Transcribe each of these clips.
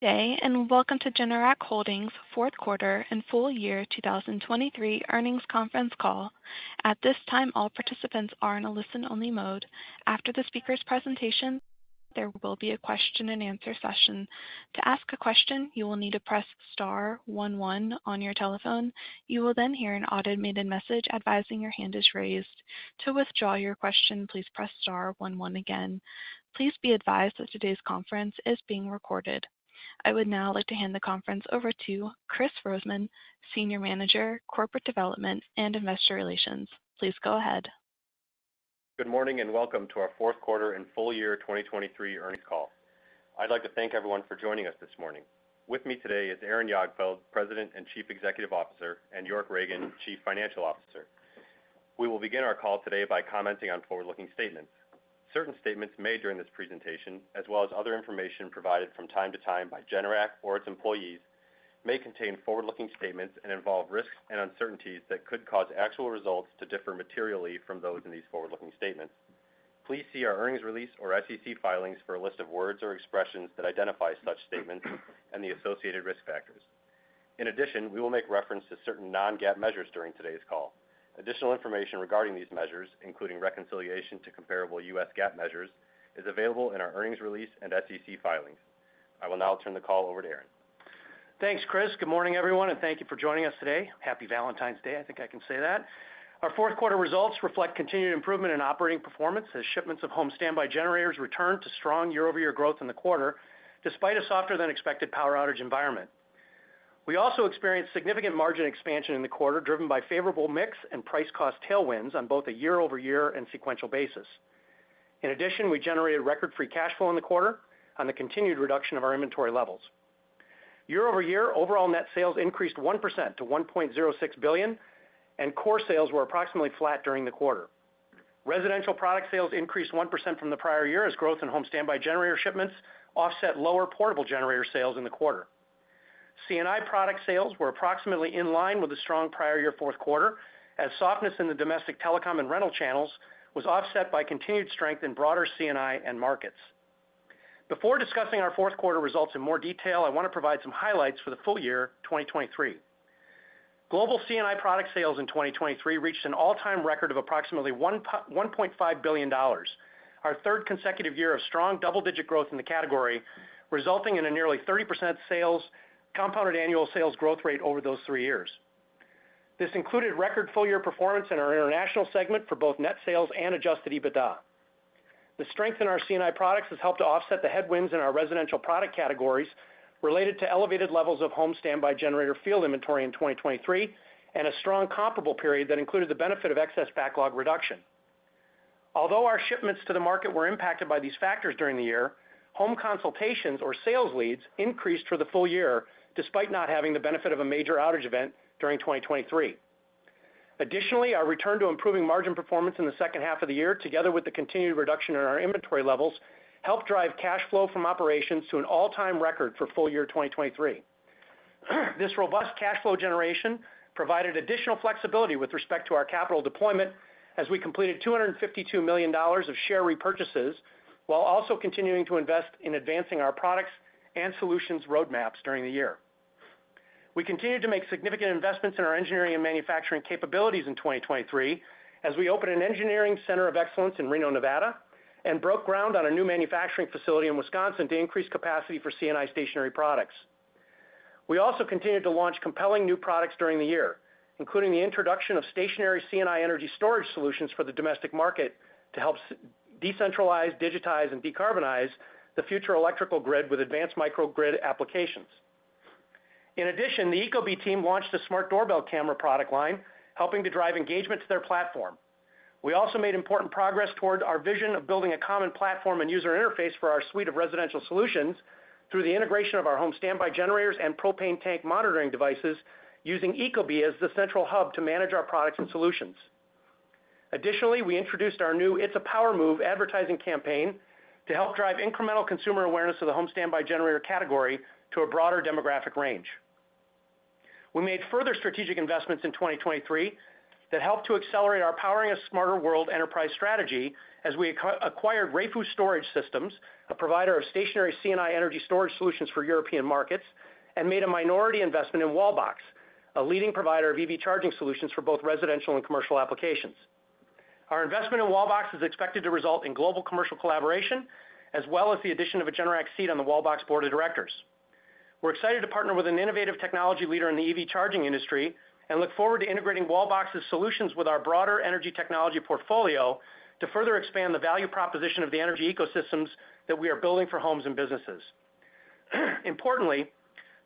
Good day and welcome to Generac Holdings' fourth quarter and full year 2023 earnings conference call. At this time, all participants are in a listen-only mode. After the speaker's presentation, there will be a question-and-answer session. To ask a question, you will need to press star one, one on your telephone. You will then hear an automated message advising your hand is raised. To withdraw your question, please press star one, one again. Please be advised that today's conference is being recorded. I would now like to hand the conference over to Kris Rosemann, Senior Manager, Corporate Development and Investor Relations. Please go ahead. Good morning and welcome to our fourth quarter and full year 2023 earnings call. I'd like to thank everyone for joining us this morning. With me today is Aaron Jagdfeld, President and Chief Executive Officer, and York Ragen, Chief Financial Officer. We will begin our call today by commenting on forward-looking statements. Certain statements made during this presentation, as well as other information provided from time to time by Generac or its employees, may contain forward-looking statements and involve risks and uncertainties that could cause actual results to differ materially from those in these forward-looking statements. Please see our earnings release or SEC filings for a list of words or expressions that identify such statements and the associated risk factors. In addition, we will make reference to certain non-GAAP measures during today's call. Additional information regarding these measures, including reconciliation to comparable U.S. GAAP measures, is available in our earnings release and SEC filings. I will now turn the call over to Aaron. Thanks, Kris. Good morning, everyone, and thank you for joining us today. Happy Valentine's Day, I think I can say that. Our fourth quarter results reflect continued improvement in operating performance as shipments of home standby generators returned to strong year-over-year growth in the quarter, despite a softer-than-expected power outage environment. We also experienced significant margin expansion in the quarter driven by favorable mix and price-cost tailwinds on both a year-over-year and sequential basis. In addition, we generated record free cash flow in the quarter on the continued reduction of our inventory levels. Year-over-year, overall net sales increased 1% to $1.06 billion, and core sales were approximately flat during the quarter. Residential product sales increased 1% from the prior year as growth in home standby generator shipments offset lower portable generator sales in the quarter. C&I product sales were approximately in line with the strong prior year fourth quarter, as softness in the domestic telecom and rental channels was offset by continued strength in broader C&I markets. Before discussing our fourth quarter results in more detail, I want to provide some highlights for the full year 2023. Global C&I product sales in 2023 reached an all-time record of approximately $1.5 billion, our third consecutive year of strong double-digit growth in the category, resulting in a nearly 30% compounded annual sales growth rate over those three years. This included record full-year performance in our international segment for both net sales and Adjusted EBITDA. The strength in our C&I products has helped to offset the headwinds in our residential product categories related to elevated levels of home standby generator field inventory in 2023 and a strong comparable period that included the benefit of excess backlog reduction. Although our shipments to the market were impacted by these factors during the year, home consultations or sales leads increased for the full year despite not having the benefit of a major outage event during 2023. Additionally, our return to improving margin performance in the second half of the year, together with the continued reduction in our inventory levels, helped drive cash flow from operations to an all-time record for full year 2023. This robust cash flow generation provided additional flexibility with respect to our capital deployment as we completed $252 million of share repurchases while also continuing to invest in advancing our products and solutions roadmaps during the year. We continued to make significant investments in our engineering and manufacturing capabilities in 2023 as we opened an engineering center of excellence in Reno, Nevada, and broke ground on a new manufacturing facility in Wisconsin to increase capacity for C&I stationary products. We also continued to launch compelling new products during the year, including the introduction of stationary C&I energy storage solutions for the domestic market to help decentralize, digitize, and decarbonize the future electrical grid with advanced microgrid applications. In addition, the Ecobee team launched a smart doorbell camera product line, helping to drive engagement to their platform. We also made important progress toward our vision of building a common platform and user interface for our suite of residential solutions through the integration of our home standby generators and propane tank monitoring devices, using Ecobee as the central hub to manage our products and solutions. Additionally, we introduced our new It's a Power Move advertising campaign to help drive incremental consumer awareness of the home standby generator category to a broader demographic range. We made further strategic investments in 2023 that helped to accelerate our Powering a Smarter World enterprise strategy as we acquired REFU Storage Systems, a provider of stationary C&I energy storage solutions for European markets, and made a minority investment in Wallbox, a leading provider of EV charging solutions for both residential and commercial applications. Our investment in Wallbox is expected to result in global commercial collaboration, as well as the addition of a Generac seat on the Wallbox board of directors. We're excited to partner with an innovative technology leader in the EV charging industry and look forward to integrating Wallbox's solutions with our broader energy technology portfolio to further expand the value proposition of the energy ecosystems that we are building for homes and businesses. Importantly,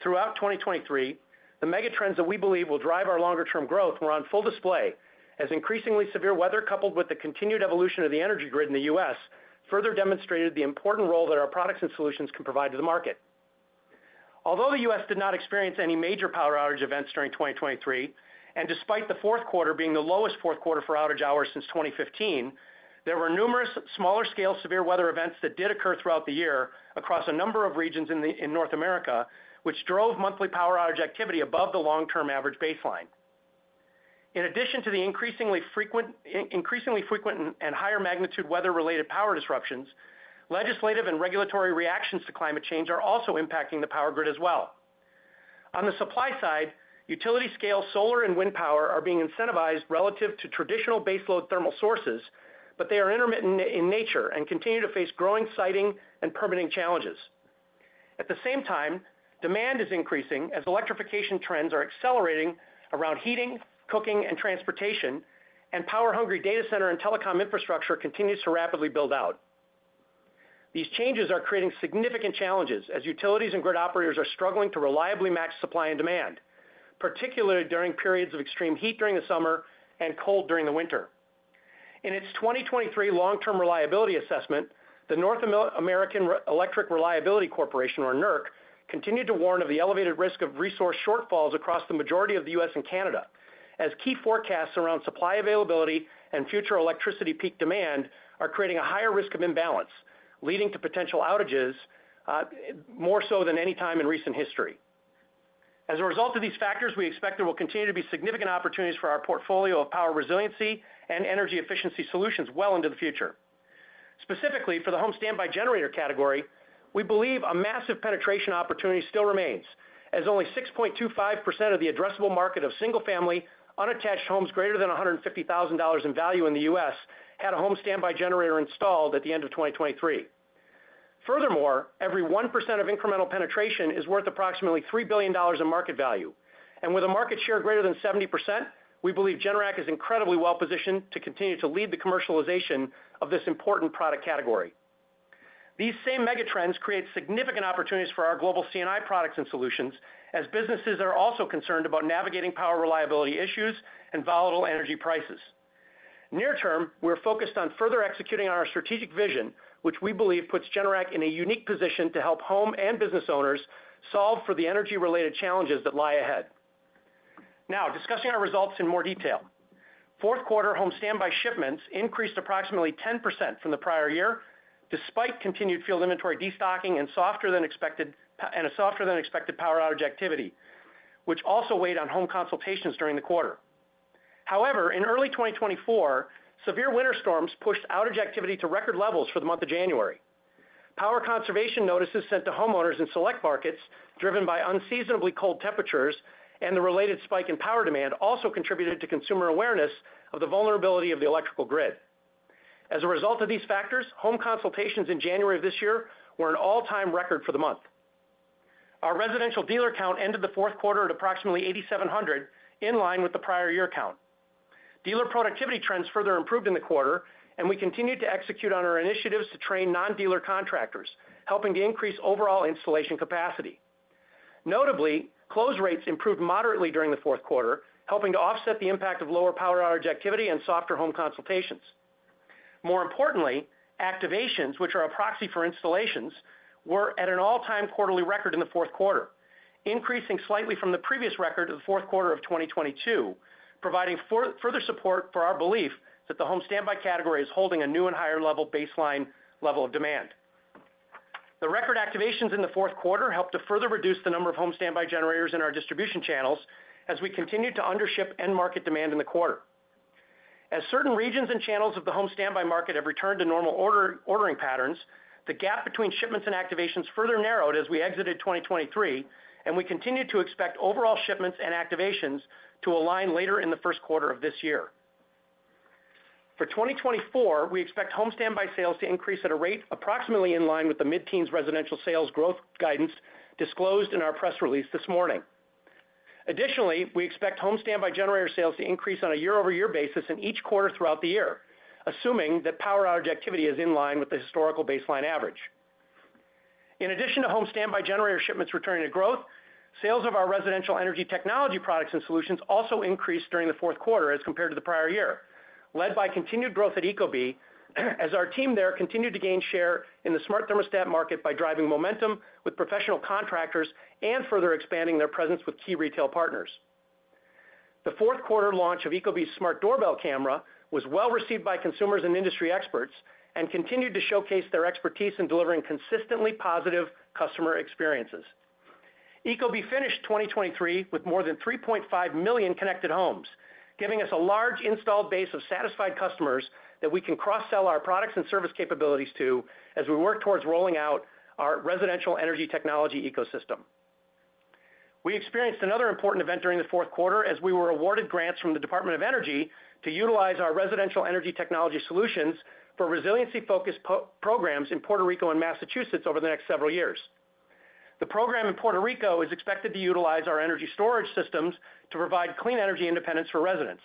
throughout 2023, the megatrends that we believe will drive our longer-term growth were on full display as increasingly severe weather coupled with the continued evolution of the energy grid in the U.S. further demonstrated the important role that our products and solutions can provide to the market although the U.S. Did not experience any major power outage events during 2023, and despite the fourth quarter being the lowest fourth quarter for outage hours since 2015, there were numerous smaller-scale severe weather events that did occur throughout the year across a number of regions in North America, which drove monthly power outage activity above the long-term average baseline. In addition to the increasingly frequent and higher magnitude weather-related power disruptions, legislative and regulatory reactions to climate change are also impacting the power grid as well. On the supply side, utility-scale solar and wind power are being incentivized relative to traditional baseload thermal sources, but they are intermittent in nature and continue to face growing siting and permitting challenges. At the same time, demand is increasing as electrification trends are accelerating around heating, cooking, and transportation, and power-hungry data center and telecom infrastructure continues to rapidly build out. These changes are creating significant challenges as utilities and grid operators are struggling to reliably match supply and demand, particularly during periods of extreme heat during the summer and cold during the winter. In its 2023 long-term reliability assessment, the North American Electric Reliability Corporation, or NERC, continued to warn of the elevated risk of resource shortfalls across the majority of the U.S. and Canada, as key forecasts around supply availability and future electricity peak demand are creating a higher risk of imbalance, leading to potential outages more so than any time in recent history. As a result of these factors, we expect there will continue to be significant opportunities for our portfolio of power resiliency and energy efficiency solutions well into the future. Specifically for the home standby generator category, we believe a massive penetration opportunity still remains, as only 6.25% of the addressable market of single-family unattached homes greater than $150,000 in value in the U.S. had a home standby generator installed at the end of 2023. Furthermore, every 1% of incremental penetration is worth approximately $3 billion in market value, and with a market share greater than 70%, we believe Generac is incredibly well positioned to continue to lead the commercialization of this important product category. These same megatrends create significant opportunities for our global C&I products and solutions, as businesses are also concerned about navigating power reliability issues and volatile energy prices. Near term, we're focused on further executing on our strategic vision, which we believe puts Generac in a unique position to help home and business owners solve for the energy-related challenges that lie ahead. Now, discussing our results in more detail. Fourth quarter home standby shipments increased approximately 10% from the prior year despite continued field inventory destocking and softer than expected power outage activity, which also weighed on home consultations during the quarter. However, in early 2024, severe winter storms pushed outage activity to record levels for the month of January. Power conservation notices sent to homeowners in select markets, driven by unseasonably cold temperatures and the related spike in power demand, also contributed to consumer awareness of the vulnerability of the electrical grid. As a result of these factors, home consultations in January of this year were an all-time record for the month. Our residential dealer count ended the fourth quarter at approximately 8,700, in line with the prior year count. Dealer productivity trends further improved in the quarter, and we continued to execute on our initiatives to train non-dealer contractors, helping to increase overall installation capacity. Notably, close rates improved moderately during the fourth quarter, helping to offset the impact of lower power outage activity and softer home consultations. More importantly, activations, which are a proxy for installations, were at an all-time quarterly record in the fourth quarter, increasing slightly from the previous record of the fourth quarter of 2022, providing further support for our belief that the home standby category is holding a new and higher level baseline level of demand. The record activations in the fourth quarter helped to further reduce the number of home standby generators in our distribution channels as we continue to undership end-market demand in the quarter. As certain regions and channels of the home standby market have returned to normal ordering patterns, the gap between shipments and activations further narrowed as we exited 2023, and we continue to expect overall shipments and activations to align later in the first quarter of this year. For 2024, we expect home standby sales to increase at a rate approximately in line with the mid-teens residential sales growth guidance disclosed in our press release this morning. Additionally, we expect home standby generator sales to increase on a year-over-year basis in each quarter throughout the year, assuming that power outage activity is in line with the historical baseline average. In addition to home standby generator shipments returning to growth, sales of our residential energy technology products and solutions also increased during the fourth quarter as compared to the prior year, led by continued growth at Ecobee, as our team there continued to gain share in the smart thermostat market by driving momentum with professional contractors and further expanding their presence with key retail partners. The fourth quarter launch of Ecobee's smart doorbell camera was well received by consumers and industry experts and continued to showcase their expertise in delivering consistently positive customer experiences. Ecobee finished 2023 with more than 3.5 million connected homes, giving us a large installed base of satisfied customers that we can cross-sell our products and service capabilities to as we work towards rolling out our residential energy technology ecosystem. We experienced another important event during the fourth quarter as we were awarded grants from the Department of Energy to utilize our residential energy technology solutions for resiliency-focused programs in Puerto Rico and Massachusetts over the next several years. The program in Puerto Rico is expected to utilize our energy storage systems to provide clean energy independence for residents.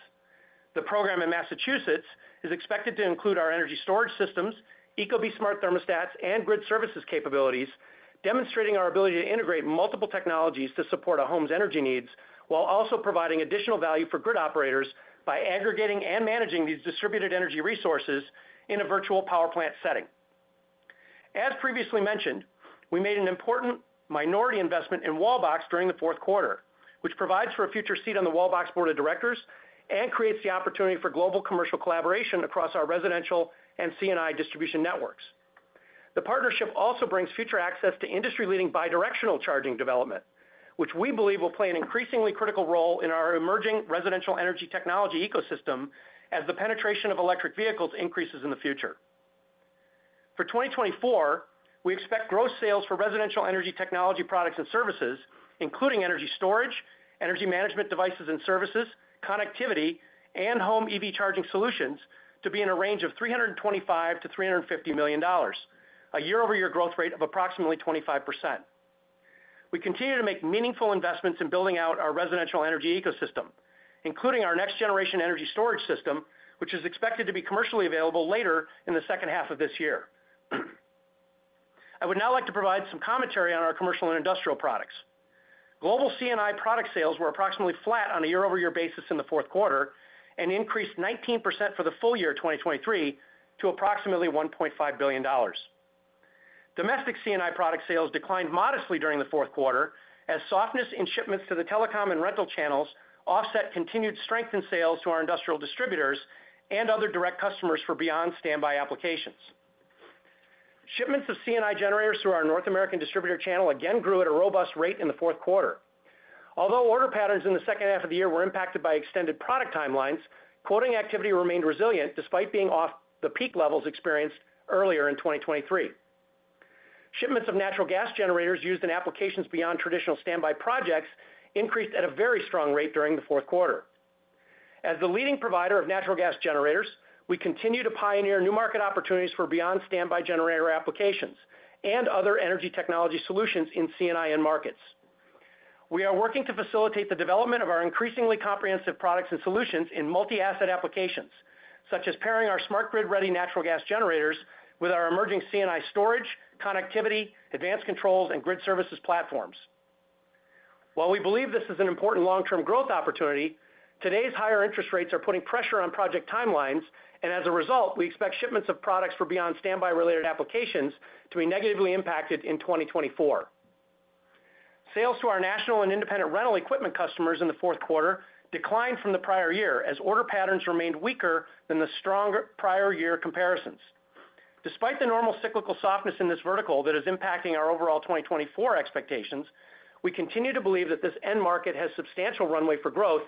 The program in Massachusetts is expected to include our energy storage systems, Ecobee smart thermostats, and grid services capabilities, demonstrating our ability to integrate multiple technologies to support a home's energy needs while also providing additional value for grid operators by aggregating and managing these distributed energy resources in a virtual power plant setting. As previously mentioned, we made an important minority investment in Wallbox during the fourth quarter, which provides for a future seat on the Wallbox board of directors and creates the opportunity for global commercial collaboration across our residential and C&I distribution networks. The partnership also brings future access to industry-leading bidirectional charging development, which we believe will play an increasingly critical role in our emerging residential energy technology ecosystem as the penetration of electric vehicles increases in the future. For 2024, we expect gross sales for residential energy technology products and services, including energy storage, energy management devices and services, connectivity, and home EV charging solutions, to be in a range of $325 million-$350 million, a year-over-year growth rate of approximately 25%. We continue to make meaningful investments in building out our residential energy ecosystem, including our next-generation energy storage system, which is expected to be commercially available later in the second half of this year. I would now like to provide some commentary on our commercial and industrial products. Global C&I product sales were approximately flat on a year-over-year basis in the fourth quarter and increased 19% for the full year of 2023 to approximately $1.5 billion. Domestic C&I product sales declined modestly during the fourth quarter as softness in shipments to the telecom and rental channels offset continued strength in sales to our industrial distributors and other direct customers for beyond standby applications. Shipments of C&I generators through our North American distributor channel again grew at a robust rate in the fourth quarter. Although order patterns in the second half of the year were impacted by extended product timelines, quoting activity remained resilient despite being off the peak levels experienced earlier in 2023. Shipments of natural gas generators used in applications beyond traditional standby projects increased at a very strong rate during the fourth quarter. As the leading provider of natural gas generators, we continue to pioneer new market opportunities for beyond standby generator applications and other energy technology solutions in C&I end markets. We are working to facilitate the development of our increasingly comprehensive products and solutions in multi-asset applications, such as pairing our smart grid-ready natural gas generators with our emerging C&I storage, connectivity, advanced controls, and grid services platforms. While we believe this is an important long-term growth opportunity, today's higher interest rates are putting pressure on project timelines, and as a result, we expect shipments of products for beyond standby-related applications to be negatively impacted in 2024. Sales to our national and independent rental equipment customers in the fourth quarter declined from the prior year as order patterns remained weaker than the stronger prior year comparisons. Despite the normal cyclical softness in this vertical that is impacting our overall 2024 expectations, we continue to believe that this end market has substantial runway for growth,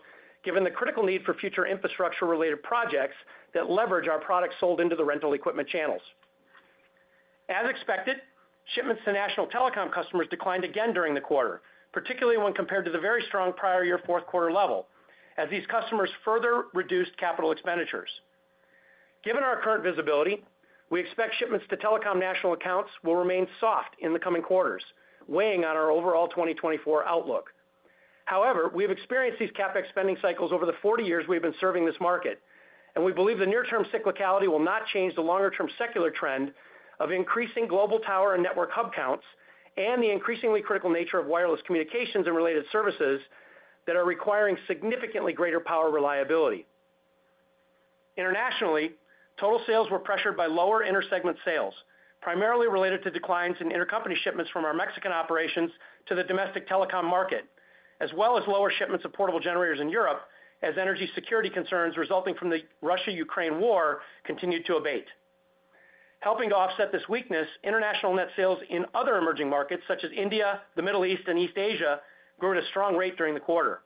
given the critical need for future infrastructure-related projects that leverage our products sold into the rental equipment channels. As expected, shipments to national telecom customers declined again during the quarter, particularly when compared to the very strong prior year fourth quarter level, as these customers further reduced capital expenditures. Given our current visibility, we expect shipments to telecom national accounts will remain soft in the coming quarters, weighing on our overall 2024 outlook. However, we have experienced these CapEx spending cycles over the 40 years we have been serving this market, and we believe the near-term cyclicality will not change the longer-term secular trend of increasing global tower and network hub counts and the increasingly critical nature of wireless communications and related services that are requiring significantly greater power reliability. Internationally, total sales were pressured by lower intersegment sales, primarily related to declines in intercompany shipments from our Mexican operations to the domestic telecom market, as well as lower shipments of portable generators in Europe as energy security concerns resulting from the Russia-Ukraine war continued to abate. Helping to offset this weakness, international net sales in other emerging markets such as India, the Middle East, and East Asia grew at a strong rate during the quarter.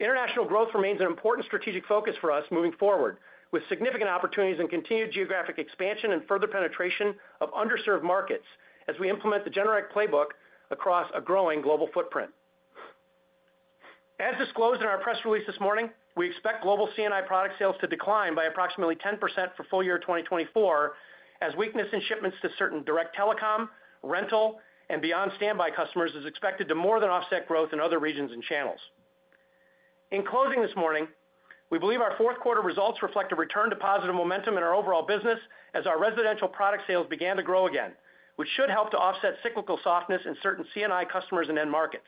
International growth remains an important strategic focus for us moving forward, with significant opportunities in continued geographic expansion and further penetration of underserved markets as we implement the Generac playbook across a growing global footprint. As disclosed in our press release this morning, we expect global C&I product sales to decline by approximately 10% for full year of 2024, as weakness in shipments to certain direct telecom, rental, and beyond standby customers is expected to more than offset growth in other regions and channels. In closing this morning, we believe our fourth quarter results reflect a return to positive momentum in our overall business as our residential product sales began to grow again, which should help to offset cyclical softness in certain C&I customers and end markets.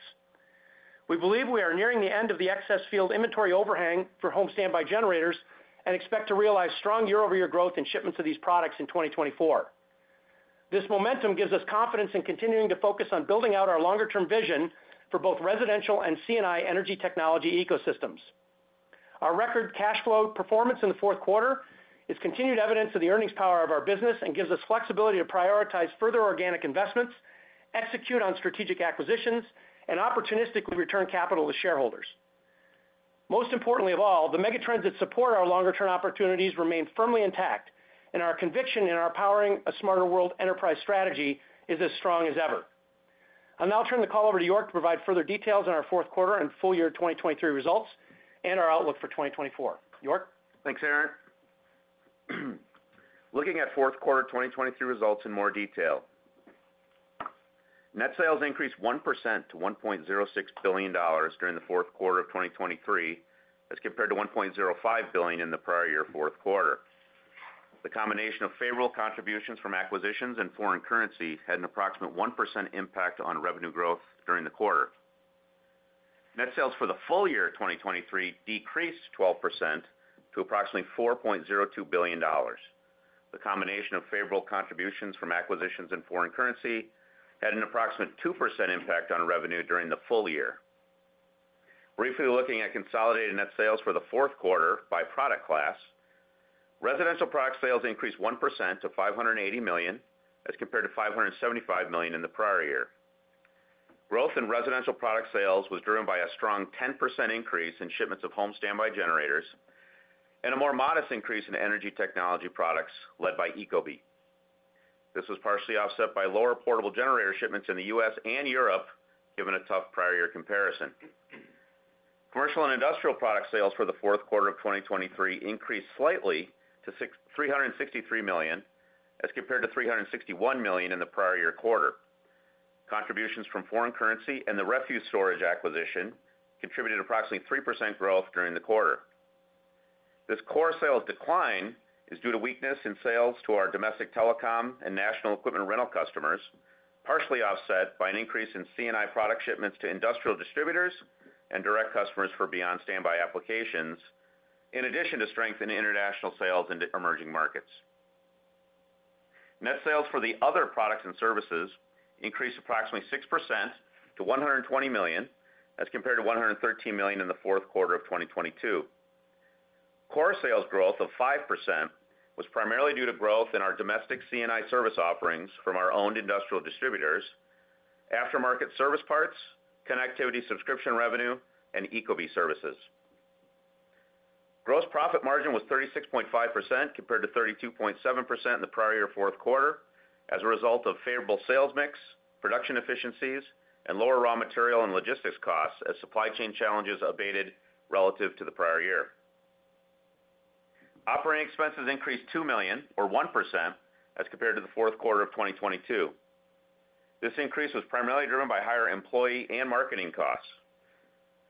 We believe we are nearing the end of the excess field inventory overhang for home standby generators and expect to realize strong year-over-year growth in shipments of these products in 2024. This momentum gives us confidence in continuing to focus on building out our longer-term vision for both residential and C&I energy technology ecosystems. Our record cash flow performance in the fourth quarter is continued evidence of the earnings power of our business and gives us flexibility to prioritize further organic investments, execute on strategic acquisitions, and opportunistically return capital to shareholders. Most importantly of all, the megatrends that support our longer-term opportunities remain firmly intact, and our conviction in our powering a smarter world enterprise strategy is as strong as ever. I'll now turn the call over to York to provide further details on our fourth quarter and full year 2023 results and our outlook for 2024. York. Thanks, Aaron. Looking at fourth quarter 2023 results in more detail. Net sales increased 1% to $1.06 billion during the fourth quarter of 2023 as compared to $1.05 billion in the prior year fourth quarter. The combination of favorable contributions from acquisitions and foreign currency had an approximate 1% impact on revenue growth during the quarter. Net sales for the full year of 2023 decreased 12% to approximately $4.02 billion. The combination of favorable contributions from acquisitions and foreign currency had an approximate 2% impact on revenue during the full year. Briefly looking at consolidated net sales for the fourth quarter by product class, residential product sales increased 1% to $580 million as compared to $575 million in the prior year. Growth in residential product sales was driven by a strong 10% increase in shipments of home standby generators and a more modest increase in energy technology products led by Ecobee. This was partially offset by lower portable generator shipments in the U.S. and Europe, given a tough prior year comparison. Commercial and industrial product sales for the fourth quarter of 2023 increased slightly to $363 million as compared to $361 million in the prior year quarter. Contributions from foreign currency and the REFU Storage acquisition contributed approximately 3% growth during the quarter. This core sales decline is due to weakness in sales to our domestic telecom and national equipment rental customers, partially offset by an increase in C&I product shipments to industrial distributors and direct customers for beyond standby applications, in addition to strength in international sales in emerging markets. Net sales for the other products and services increased approximately 6% to $120 million as compared to $113 million in the fourth quarter of 2022. Core sales growth of 5% was primarily due to growth in our domestic C&I service offerings from our owned industrial distributors, aftermarket service parts, connectivity subscription revenue, and Ecobee services. Gross profit margin was 36.5% compared to 32.7% in the prior year fourth quarter as a result of favorable sales mix, production efficiencies, and lower raw material and logistics costs as supply chain challenges abated relative to the prior year. Operating expenses increased $2 million or 1% as compared to the fourth quarter of 2022. This increase was primarily driven by higher employee and marketing costs.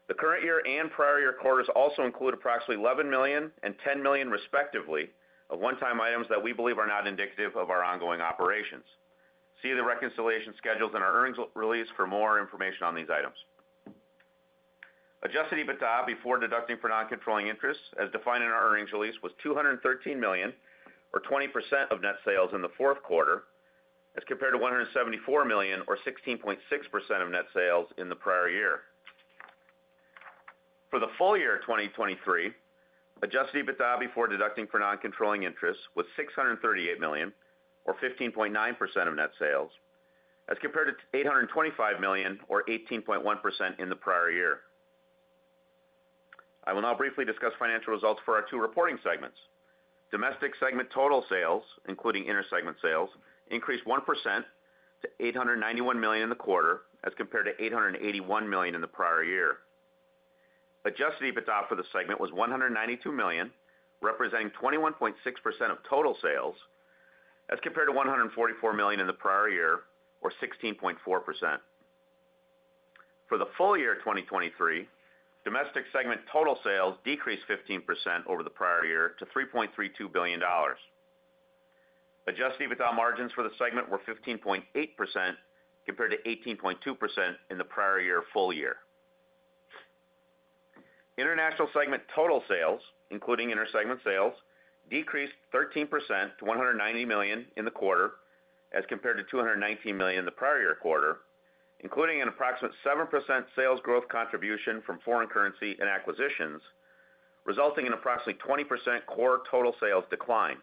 The current year and prior year quarters also include approximately $11 million and $10 million, respectively, of one-time items that we believe are not indicative of our ongoing operations. See the reconciliation schedules in our earnings release for more information on these items. Adjusted EBITDA before deducting for non-controlling interests, as defined in our earnings release, was $213 million or 20% of net sales in the fourth quarter as compared to $174 million or 16.6% of net sales in the prior year. For the full year of 2023, adjusted EBITDA before deducting for non-controlling interests was $638 million or 15.9% of net sales as compared to $825 million or 18.1% in the prior year. I will now briefly discuss financial results for our two reporting segments. Domestic segment total sales, including intersegment sales, increased 1% to $891 million in the quarter as compared to $881 million in the prior year. Adjusted EBITDA for the segment was $192 million, representing 21.6% of total sales as compared to $144 million in the prior year or 16.4%. For the full year of 2023, domestic segment total sales decreased 15% over the prior year to $3.32 billion. Adjusted EBITDA margins for the segment were 15.8% compared to 18.2% in the prior year full year. International segment total sales, including intersegment sales, decreased 13% to $190 million in the quarter as compared to $219 million in the prior year quarter, including an approximate 7% sales growth contribution from foreign currency and acquisitions, resulting in approximately 20% core total sales decline.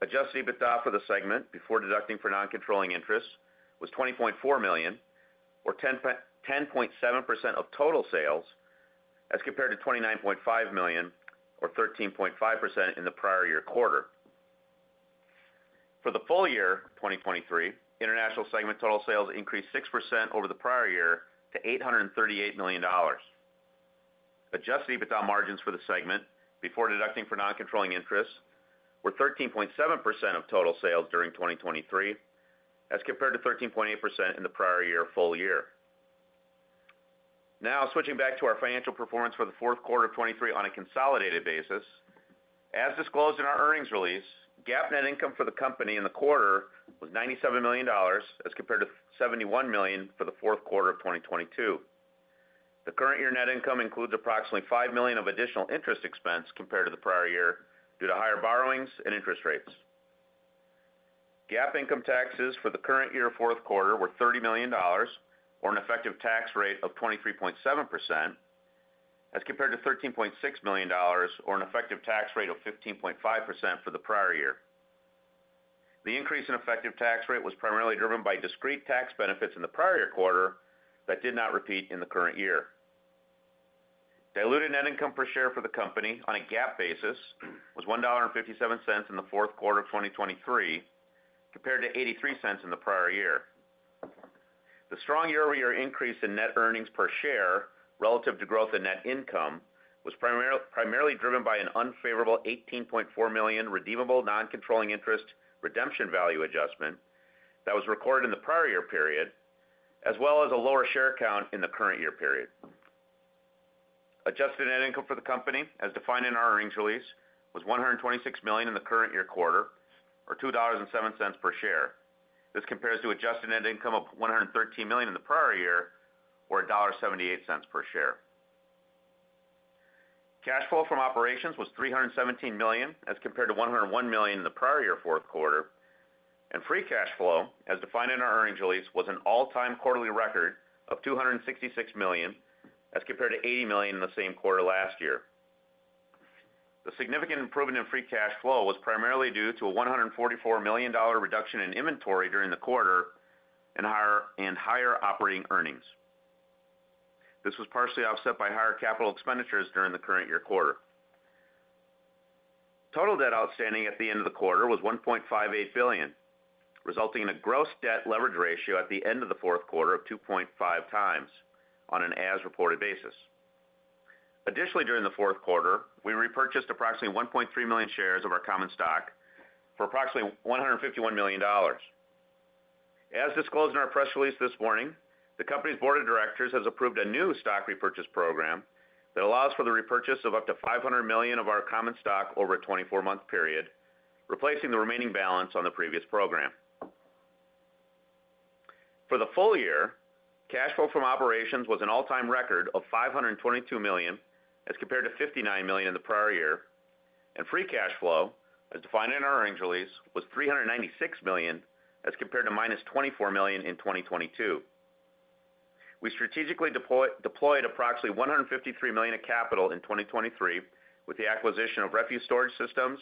Adjusted EBITDA for the segment before deducting for non-controlling interests was $20.4 million or 10.7% of total sales as compared to $29.5 million or 13.5% in the prior year quarter. For the full year of 2023, international segment total sales increased 6% over the prior year to $838 million. Adjusted EBITDA margins for the segment before deducting for non-controlling interests were 13.7% of total sales during 2023 as compared to 13.8% in the prior year full year. Now, switching back to our financial performance for the fourth quarter of 2023 on a consolidated basis. As disclosed in our earnings release, GAAP net income for the company in the quarter was $97 million as compared to $71 million for the fourth quarter of 2022. The current year net income includes approximately $5 million of additional interest expense compared to the prior year due to higher borrowings and interest rates. GAAP income taxes for the current year fourth quarter were $30 million or an effective tax rate of 23.7% as compared to $13.6 million or an effective tax rate of 15.5% for the prior year. The increase in effective tax rate was primarily driven by discrete tax benefits in the prior year quarter that did not repeat in the current year. Diluted net income per share for the company on a GAAP basis was $1.57 in the fourth quarter of 2023 compared to $0.83 in the prior year. The strong year-over-year increase in net earnings per share relative to growth in net income was primarily driven by an unfavorable $18.4 million redeemable non-controlling interest redemption value adjustment that was recorded in the prior year period, as well as a lower share count in the current year period. Adjusted net income for the company, as defined in our earnings release, was $126 million in the current year quarter or $2.07 per share. This compares to adjusted net income of $113 million in the prior year or $1.78 per share. Cash flow from operations was $317 million as compared to $101 million in the prior year fourth quarter, and free cash flow, as defined in our earnings release, was an all-time quarterly record of $266 million as compared to $80 million in the same quarter last year. The significant improvement in free cash flow was primarily due to a $144 million reduction in inventory during the quarter and higher operating earnings. This was partially offset by higher capital expenditures during the current year quarter. Total debt outstanding at the end of the quarter was $1.58 billion, resulting in a gross debt leverage ratio at the end of the fourth quarter of 2.5 times on an as-reported basis. Additionally, during the fourth quarter, we repurchased approximately 1.3 million shares of our common stock for approximately $151 million. As disclosed in our press release this morning, the company's board of directors has approved a new stock repurchase program that allows for the repurchase of up to $500 million of our common stock over a 24-month period, replacing the remaining balance on the previous program. For the full year, cash flow from operations was an all-time record of $522 million as compared to $59 million in the prior year, and free cash flow, as defined in our earnings release, was $396 million as compared to -$24 million in 2022. We strategically deployed approximately $153 million of capital in 2023 with the acquisition of REFU Storage Systems,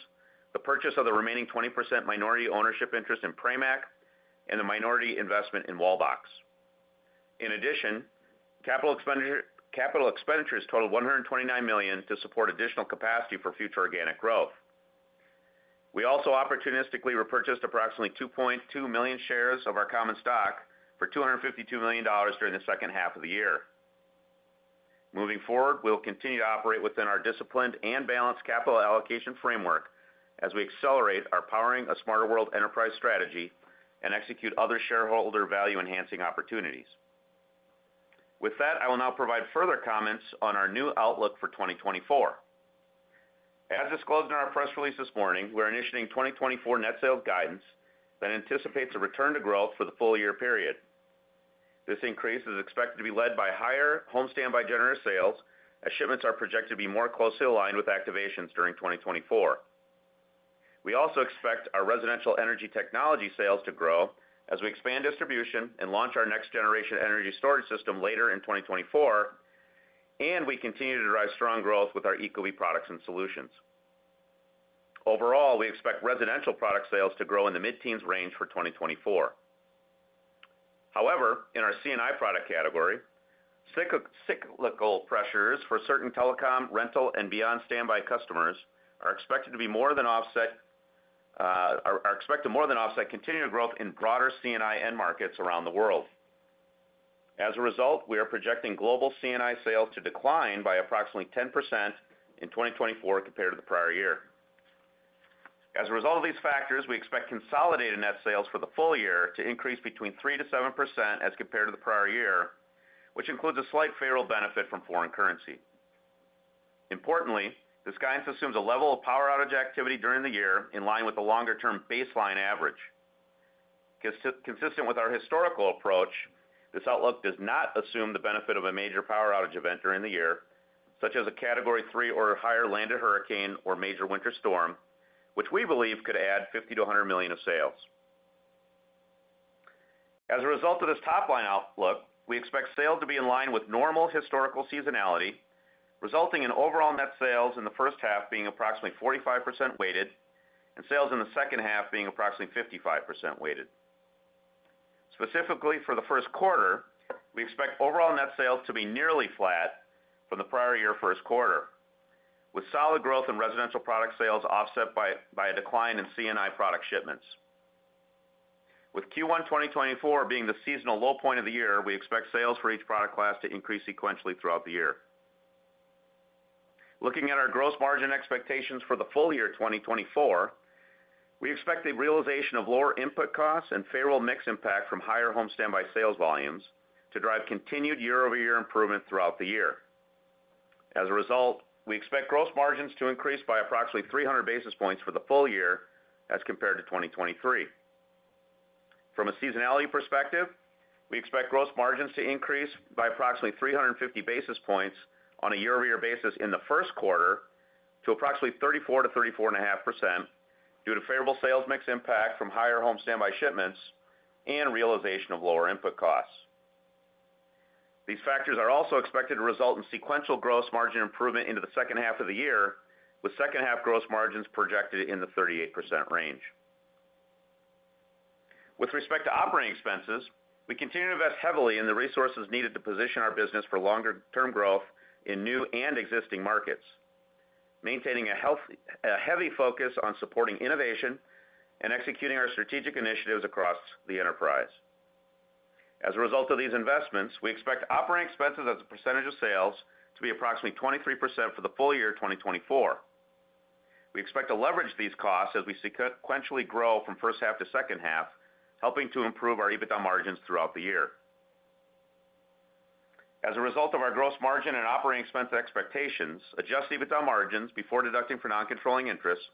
the purchase of the remaining 20% minority ownership interest in Pramac, and the minority investment in Wallbox. In addition, capital expenditures totaled $129 million to support additional capacity for future organic growth. We also opportunistically repurchased approximately 2.2 million shares of our common stock for $252 million during the second half of the year. Moving forward, we will continue to operate within our disciplined and balanced capital allocation framework as we accelerate our Powering a Smarter World enterprise strategy and execute other shareholder value-enhancing opportunities. With that, I will now provide further comments on our new outlook for 2024. As disclosed in our press release this morning, we are initiating 2024 net sales guidance that anticipates a return to growth for the full year period. This increase is expected to be led by higher home standby generator sales as shipments are projected to be more closely aligned with activations during 2024. We also expect our residential energy technology sales to grow as we expand distribution and launch our next generation energy storage system later in 2024, and we continue to drive strong growth with our Ecobee products and solutions. Overall, we expect residential product sales to grow in the mid-teens range for 2024. However, in our C&I product category, cyclical pressures for certain telecom, rental, and beyond standby customers are expected to be more than offset by continued growth in broader C&I end markets around the world. As a result, we are projecting global C&I sales to decline by approximately 10% in 2024 compared to the prior year. As a result of these factors, we expect consolidated net sales for the full year to increase between 3%-7% as compared to the prior year, which includes a slight favorable benefit from foreign currency. Importantly, this guidance assumes a level of power outage activity during the year in line with the longer-term baseline average. Consistent with our historical approach, this outlook does not assume the benefit of a major power outage event during the year, such as a Category 3 or higher landed hurricane or major winter storm, which we believe could add $50 million-$100 million of sales. As a result of this top-line outlook, we expect sales to be in line with normal historical seasonality, resulting in overall net sales in the first half being approximately 45% weighted and sales in the second half being approximately 55% weighted. Specifically for the first quarter, we expect overall net sales to be nearly flat from the prior year first quarter, with solid growth in residential product sales offset by a decline in C&I product shipments. With Q1 2024 being the seasonal low point of the year, we expect sales for each product class to increase sequentially throughout the year. Looking at our gross margin expectations for the full year 2024, we expect a realization of lower input costs and favorable mix impact from higher home standby sales volumes to drive continued year-over-year improvement throughout the year. As a result, we expect gross margins to increase by approximately 300 basis points for the full year as compared to 2023. From a seasonality perspective, we expect gross margins to increase by approximately 350 basis points on a year-over-year basis in the first quarter to approximately 34%-34.5% due to favorable sales mix impact from higher home standby shipments and realization of lower input costs. These factors are also expected to result in sequential gross margin improvement into the second half of the year, with second half gross margins projected in the 38% range. With respect to operating expenses, we continue to invest heavily in the resources needed to position our business for longer-term growth in new and existing markets, maintaining a heavy focus on supporting innovation and executing our strategic initiatives across the enterprise. As a result of these investments, we expect operating expenses as a percentage of sales to be approximately 23% for the full year 2024. We expect to leverage these costs as we sequentially grow from first half to second half, helping to improve our EBITDA margins throughout the year. As a result of our gross margin and operating expense expectations, adjusted EBITDA margins before deducting for non-controlling interests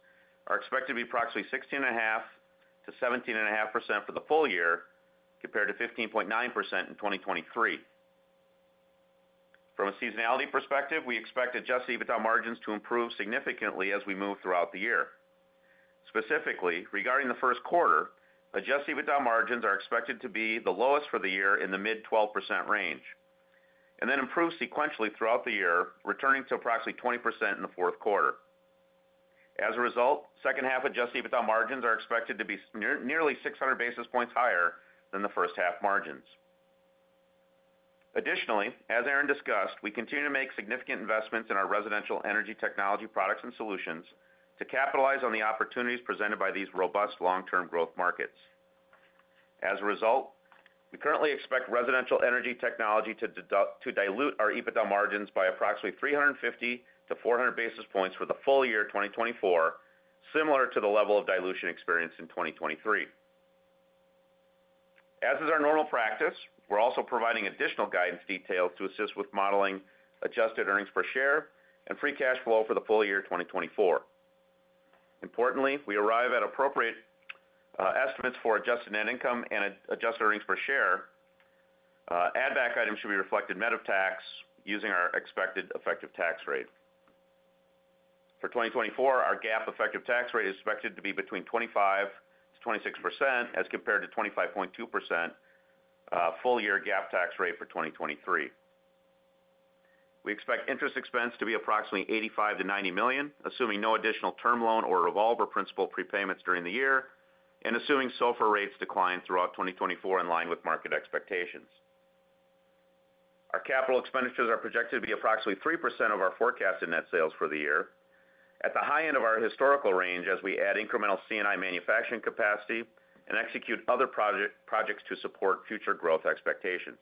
are expected to be approximately 16.5%-17.5% for the full year compared to 15.9% in 2023. From a seasonality perspective, we expect adjusted EBITDA margins to improve significantly as we move throughout the year. Specifically, regarding the first quarter, adjusted EBITDA margins are expected to be the lowest for the year in the mid-12% range and then improve sequentially throughout the year, returning to approximately 20% in the fourth quarter. As a result, second half adjusted EBITDA margins are expected to be nearly 600 basis points higher than the first half margins. Additionally, as Aaron discussed, we continue to make significant investments in our residential energy technology products and solutions to capitalize on the opportunities presented by these robust long-term growth markets. As a result, we currently expect residential energy technology to dilute our EBITDA margins by approximately 350-400 basis points for the full year 2024, similar to the level of dilution experienced in 2023. As is our normal practice, we're also providing additional guidance details to assist with modeling adjusted earnings per share and free cash flow for the full year 2024. Importantly, we arrive at appropriate estimates for adjusted net income and adjusted earnings per share. Add-back items should be reflected in net of tax using our expected effective tax rate. For 2024, our GAAP effective tax rate is expected to be between 25%-26% as compared to 25.2% full year GAAP tax rate for 2023. We expect interest expense to be approximately $85 million-$90 million, assuming no additional term loan or revolver principal prepayments during the year and assuming SOFR rates decline throughout 2024 in line with market expectations. Our capital expenditures are projected to be approximately 3% of our forecasted net sales for the year, at the high end of our historical range as we add incremental C&I manufacturing capacity and execute other projects to support future growth expectations.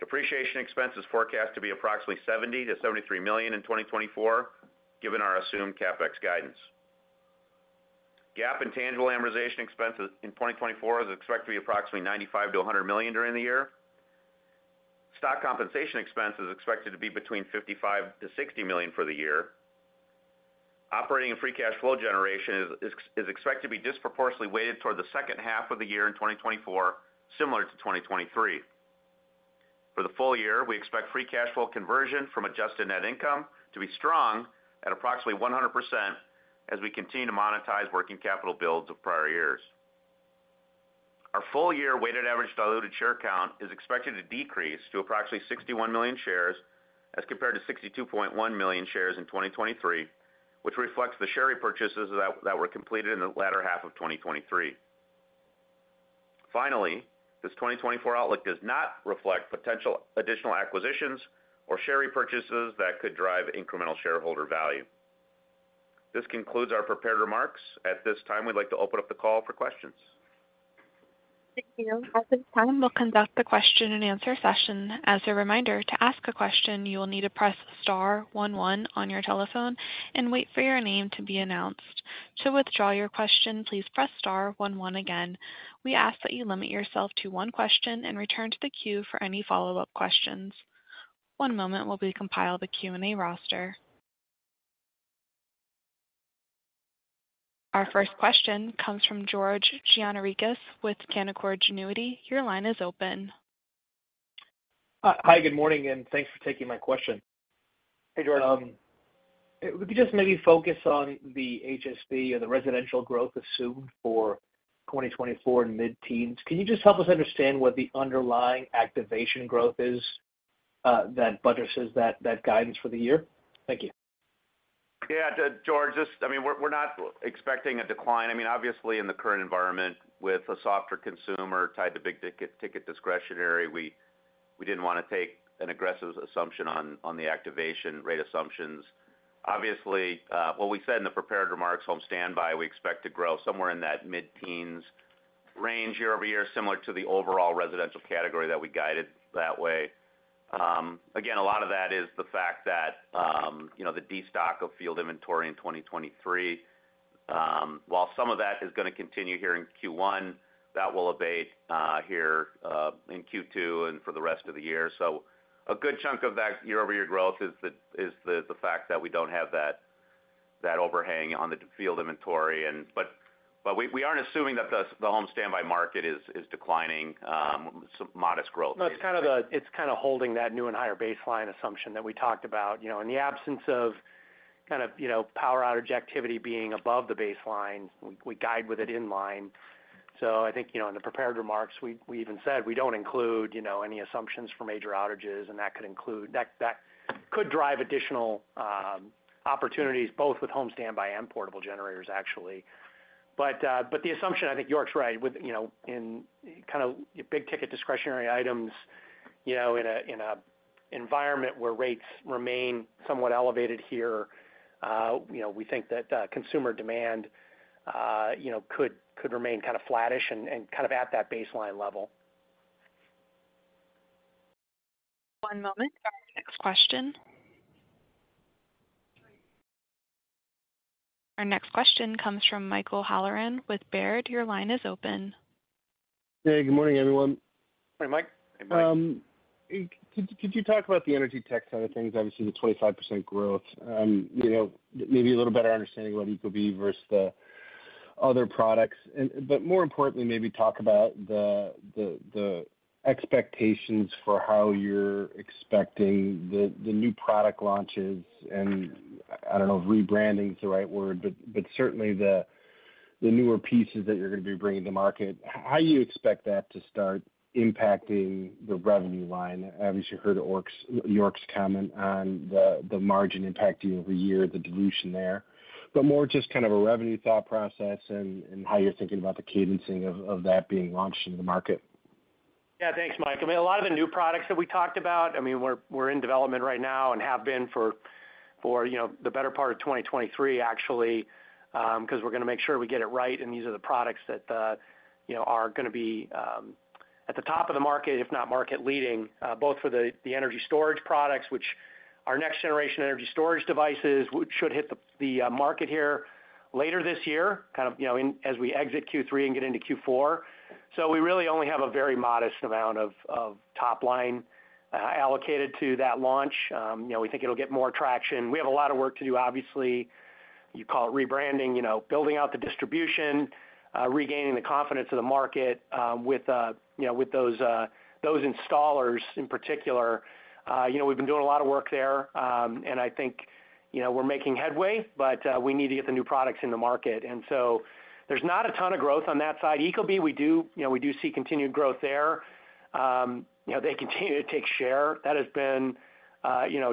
Depreciation expense is forecast to be approximately $70 million-$73 million in 2024, given our assumed CapEx guidance. GAAP intangible amortization expenses in 2024 is expected to be approximately $95 million-$100 million during the year. Stock compensation expense is expected to be between $55 million-$60 million for the year. Operating and free cash flow generation is expected to be disproportionately weighted toward the second half of the year in 2024, similar to 2023. For the full year, we expect free cash flow conversion from adjusted net income to be strong at approximately 100% as we continue to monetize working capital builds of prior years. Our full year weighted average diluted share count is expected to decrease to approximately 61 million shares as compared to 62.1 million shares in 2023, which reflects the share repurchases that were completed in the latter half of 2023. Finally, this 2024 outlook does not reflect potential additional acquisitions or share repurchases that could drive incremental shareholder value. This concludes our prepared remarks. At this time, we'd like to open up the call for questions. Thank you. At this time, we'll conduct the question and answer session. As a reminder, to ask a question, you will need to press star one, one on your telephone and wait for your name to be announced. To withdraw your question, please press star one, one again. We ask that you limit yourself to one question and return to the queue for any follow-up questions. One moment while we compile the Q&A roster. Our first question comes from George Gianarikas with Canaccord Genuity. Your line is open. Hi. Good morning. Thanks for taking my question. Hey, George. If we could just maybe focus on the HSB or the residential growth assumed for 2024 and mid-teens, can you just help us understand what the underlying activation growth is that buttresses that guidance for the year? Thank you. Yeah, George. I mean, we're not expecting a decline. I mean, obviously, in the current environment with a softer consumer tied to big ticket discretionary, we didn't want to take an aggressive assumption on the activation rate assumptions. Obviously, what we said in the prepared remarks, home standby, we expect to grow somewhere in that mid-teens range year-over-year, similar to the overall residential category that we guided that way. Again, a lot of that is the fact that the destock of field inventory in 2023, while some of that is going to continue here in Q1, that will abate here in Q2 and for the rest of the year. So a good chunk of that year-over-year growth is the fact that we don't have that overhang on the field inventory. But we aren't assuming that the home standby market is declining, modest growth. No, it's kind of holding that new and higher baseline assumption that we talked about. In the absence of kind of power outage activity being above the baseline, we guide with it in line. So I think in the prepared remarks, we even said we don't include any assumptions for major outages, and that could drive additional opportunities both with home standby and portable generators, actually. But the assumption, I think York's right, in kind of big ticket discretionary items, in an environment where rates remain somewhat elevated here, we think that consumer demand could remain kind of flattish and kind of at that baseline level. One moment. Our next question. Our next question comes from Michael Halloran with Baird. Your line is open. Hey. Good morning, everyone. Hi, Mike. Could you talk about the energy tech side of things? Obviously, the 25% growth, maybe a little better understanding about Ecobee versus the other products. But more importantly, maybe talk about the expectations for how you're expecting the new product launches and I don't know if rebranding is the right word, but certainly the newer pieces that you're going to be bringing to market, how you expect that to start impacting the revenue line. Obviously, you heard York's comment on the margin impact year-over-year, the dilution there, but more just kind of a revenue thought process and how you're thinking about the cadencing of that being launched into the market. Yeah, thanks, Mike. I mean, a lot of the new products that we talked about, I mean, we're in development right now and have been for the better part of 2023, actually, because we're going to make sure we get it right. These are the products that are going to be at the top of the market, if not market leading, both for the energy storage products, which our next generation energy storage devices should hit the market here later this year, kind of as we exit Q3 and get into Q4. So we really only have a very modest amount of top line allocated to that launch. We think it'll get more traction. We have a lot of work to do, obviously. You call it rebranding, building out the distribution, regaining the confidence of the market with those installers in particular. We've been doing a lot of work there, and I think we're making headway, but we need to get the new products in the market. And so there's not a ton of growth on that side. Ecobee, we do see continued growth there. They continue to take share. That has been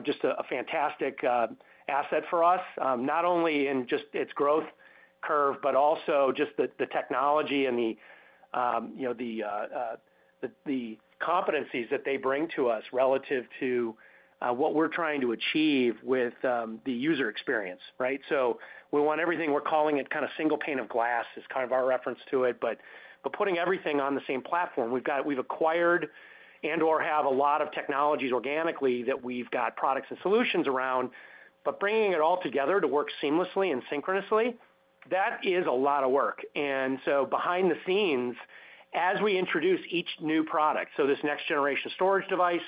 just a fantastic asset for us, not only in just its growth curve, but also just the technology and the competencies that they bring to us relative to what we're trying to achieve with the user experience, right? So we want everything. We're calling it kind of single pane of glass—is kind of our reference to it. But putting everything on the same platform, we've acquired and/or have a lot of technologies organically that we've got products and solutions around, but bringing it all together to work seamlessly and synchronously, that is a lot of work. So behind the scenes, as we introduce each new product, so this next generation storage device,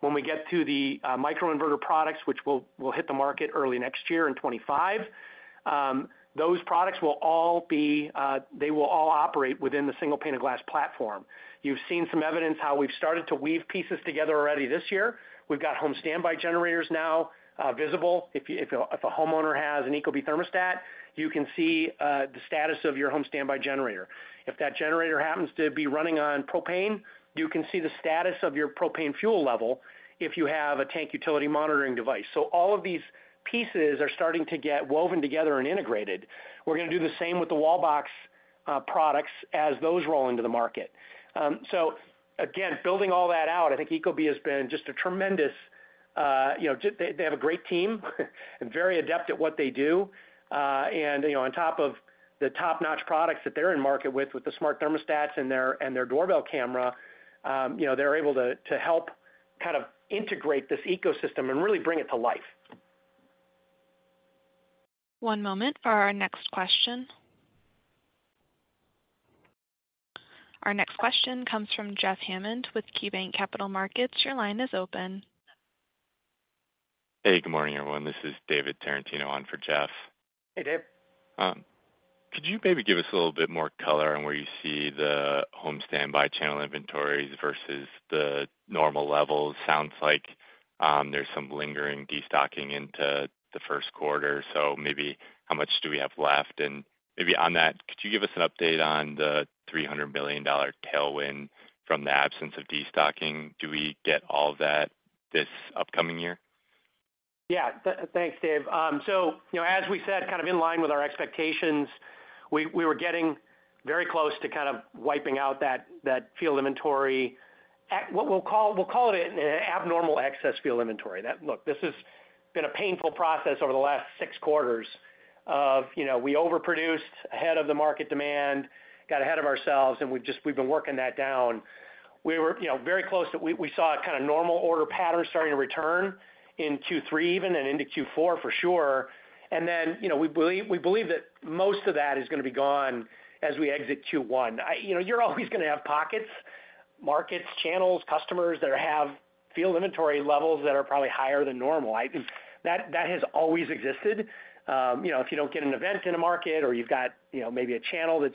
when we get to the microinverter products, which will hit the market early next year in 2025, those products will all be they will all operate within the single pane of glass platform. You've seen some evidence how we've started to weave pieces together already this year. We've got home standby generators now visible. If a homeowner has an Ecobee thermostat, you can see the status of your home standby generator. If that generator happens to be running on propane, you can see the status of your propane fuel level if you have a Tank Utility monitoring device. So all of these pieces are starting to get woven together and integrated. We're going to do the same with the Wallbox products as those roll into the market. So again, building all that out, I think Ecobee has been just a tremendous they have a great team and very adept at what they do. And on top of the top-notch products that they're in market with, with the smart thermostats and their doorbell camera, they're able to help kind of integrate this ecosystem and really bring it to life. One moment for our next question. Our next question comes from Jeff Hammond with KeyBanc Capital Markets. Your line is open. Hey, good morning, everyone. This is David Tarantino on for Jeff. Hey, Dave. Could you maybe give us a little bit more color on where you see the home standby channel inventories versus the normal levels? Sounds like there's some lingering destocking into the first quarter. So maybe how much do we have left? And maybe on that, could you give us an update on the $300 million tailwind from the absence of destocking? Do we get all of that this upcoming year? Yeah, thanks, Dave. So as we said, kind of in line with our expectations, we were getting very close to kind of wiping out that field inventory. We'll call it an abnormal excess field inventory. Look, this has been a painful process over the last six quarters of we overproduced ahead of the market demand, got ahead of ourselves, and we've been working that down. We were very close to we saw a kind of normal order pattern starting to return in Q3 even and into Q4 for sure. And then we believe that most of that is going to be gone as we exit Q1. You're always going to have pockets, markets, channels, customers that have field inventory levels that are probably higher than normal. That has always existed. If you don't get an event in a market or you've got maybe a channel that's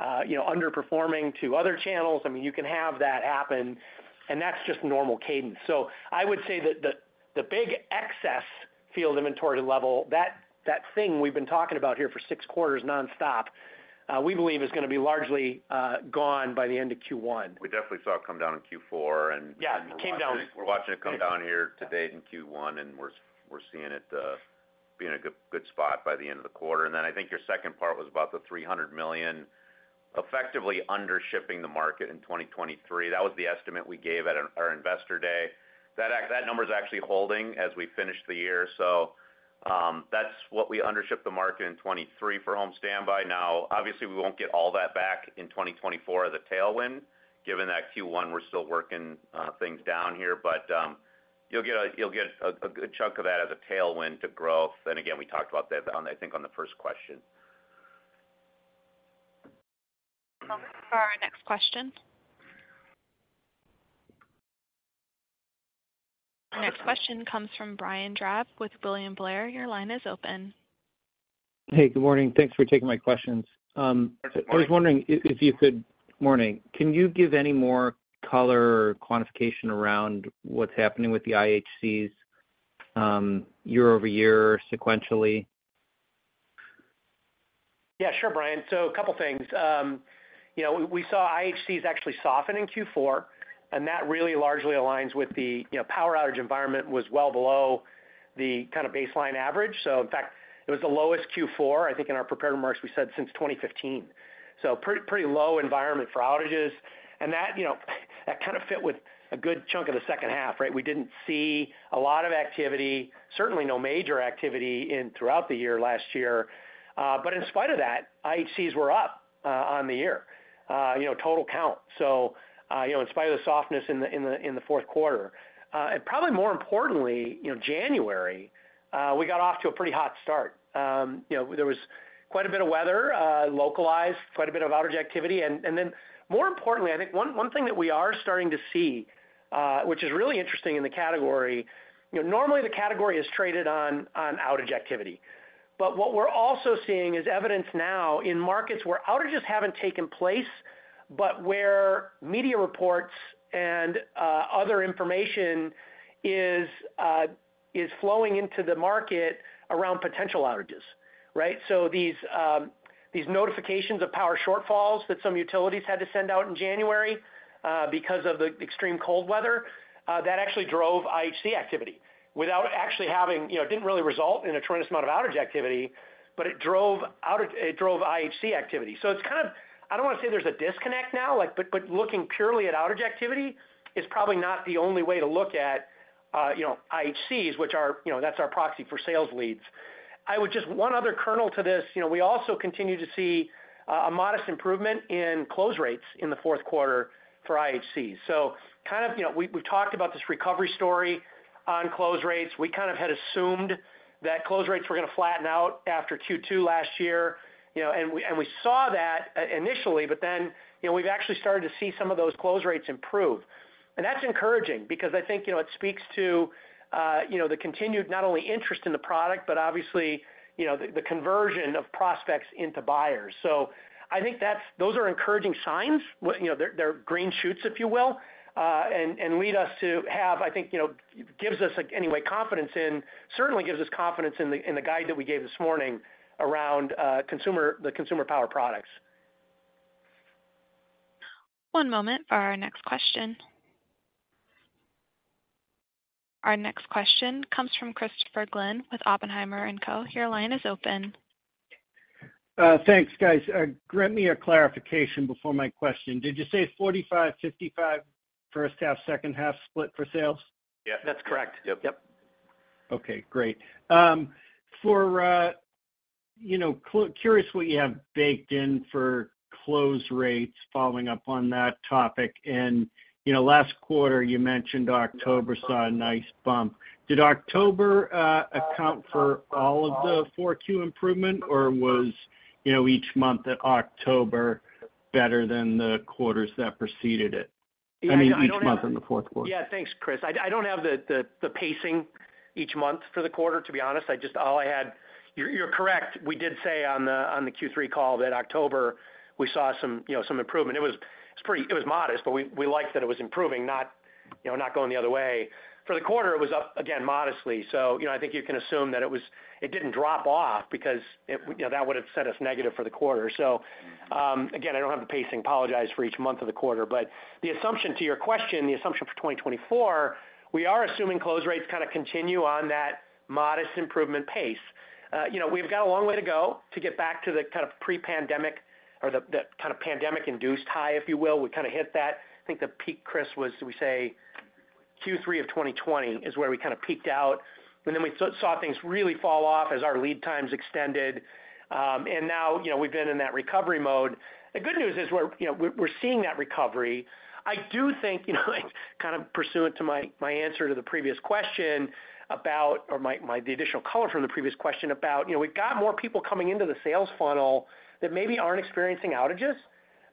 underperforming to other channels, I mean, you can have that happen. That's just normal cadence. I would say that the big excess field inventory level, that thing we've been talking about here for six quarters nonstop, we believe is going to be largely gone by the end of Q1. We definitely saw it come down in Q4 and we're watching it come down here to date in Q1, and we're seeing it being a good spot by the end of the quarter. And then I think your second part was about the $300 million effectively undershipping the market in 2023. That was the estimate we gave at our investor day. That number is actually holding as we finish the year. So that's what we undership the market in 2023 for home standby. Now, obviously, we won't get all that back in 2024 as a tailwind, given that Q1 we're still working things down here. But you'll get a good chunk of that as a tailwind to growth. And again, we talked about that, I think, on the first question. One moment for our next question. Our next question comes from Brian Drab with William Blair. Your line is open. Hey, good morning. Thanks for taking my questions. I was wondering if you could, can you give any more color or quantification around what's happening with the IHCs year-over-year sequentially? Yeah, sure, Brian. So a couple of things. We saw IHCs actually soften in Q4, and that really largely aligns with the power outage environment, was well below the kind of baseline average. So in fact, it was the lowest Q4, I think, in our prepared remarks, we said, since 2015. So pretty low environment for outages. And that kind of fit with a good chunk of the second half, right? We didn't see a lot of activity, certainly no major activity throughout the year last year. But in spite of that, IHCs were up on the year, total count. So in spite of the softness in the fourth quarter, and probably more importantly, January, we got off to a pretty hot start. There was quite a bit of weather localized, quite a bit of outage activity. And then, more importantly, I think one thing that we are starting to see, which is really interesting in the category. Normally the category is traded on outage activity. But what we're also seeing is evidence now in markets where outages haven't taken place, but where media reports and other information is flowing into the market around potential outages, right? So these notifications of power shortfalls that some utilities had to send out in January because of the extreme cold weather, that actually drove IHC activity without actually having it. It didn't really result in a tremendous amount of outage activity, but it drove IHC activity. So it's kind of. I don't want to say there's a disconnect now, but looking purely at outage activity is probably not the only way to look at IHCs, which are, that's our proxy for sales leads. I would just one other kernel to this, we also continue to see a modest improvement in close rates in the fourth quarter for IHCs. So kind of we've talked about this recovery story on close rates. We kind of had assumed that close rates were going to flatten out after Q2 last year. And we saw that initially, but then we've actually started to see some of those close rates improve. And that's encouraging because I think it speaks to the continued not only interest in the product, but obviously, the conversion of prospects into buyers. So I think those are encouraging signs. They're green shoots, if you will, and lead us to have, I think, gives us anyway confidence in certainly gives us confidence in the guide that we gave this morning around the consumer power products. One moment for our next question. Our next question comes from Christopher Glynn with Oppenheimer & Co. Your line is open. Thanks, guys. Grant me a clarification before my question. Did you say 45%, 55% first half, second half split for sales? Yes, that's correct. Yep. Okay, great. Curious what you have baked in for close rates following up on that topic. Last quarter, you mentioned October saw a nice bump. Did October account for all of the 4Q improvement, or was each month in October better than the quarters that preceded it? I mean, each month in the fourth quarter. Yeah, thanks, Kris. I don't have the pacing each month for the quarter, to be honest. All I had you're correct. We did say on the Q3 call that October we saw some improvement. It was modest, but we liked that it was improving, not going the other way. For the quarter, it was up, again, modestly. So I think you can assume that it didn't drop off because that would have set us negative for the quarter. So again, I don't have the pacing. Apologize for each month of the quarter. But the assumption to your question, the assumption for 2024, we are assuming close rates kind of continue on that modest improvement pace. We've got a long way to go to get back to the kind of pre-pandemic or the kind of pandemic-induced high, if you will. We kind of hit that. I think the peak, Chris, was, did we say, Q3 of 2020 is where we kind of peaked out. And then we saw things really fall off as our lead times extended. And now we've been in that recovery mode. The good news is we're seeing that recovery. I do think, kind of pursuant to my answer to the previous question about or the additional color from the previous question about we've got more people coming into the sales funnel that maybe aren't experiencing outages,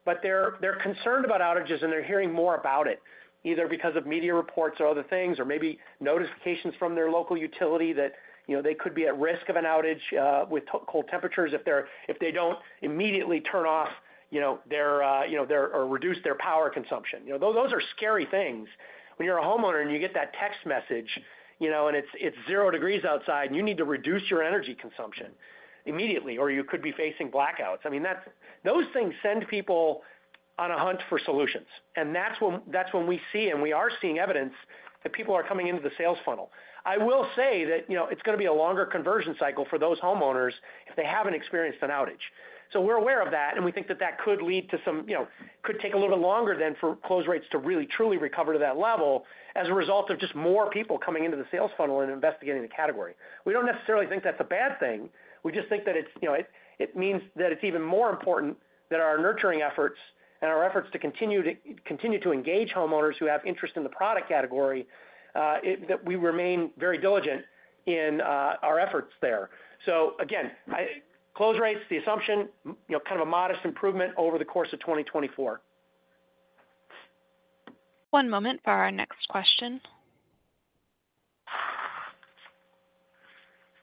but they're concerned about outages and they're hearing more about it, either because of media reports or other things or maybe notifications from their local utility that they could be at risk of an outage with cold temperatures if they don't immediately turn off their or reduce their power consumption. Those are scary things. When you're a homeowner and you get that text message and it's zero degrees outside and you need to reduce your energy consumption immediately, or you could be facing blackouts. I mean, those things send people on a hunt for solutions. And that's when we see and we are seeing evidence that people are coming into the sales funnel. I will say that it's going to be a longer conversion cycle for those homeowners if they haven't experienced an outage. So we're aware of that, and we think that that could lead to some could take a little bit longer than for close rates to really truly recover to that level as a result of just more people coming into the sales funnel and investigating the category. We don't necessarily think that's a bad thing. We just think that it means that it's even more important that our nurturing efforts and our efforts to continue to engage homeowners who have interest in the product category, that we remain very diligent in our efforts there. So again, close rates, the assumption, kind of a modest improvement over the course of 2024. One moment for our next question.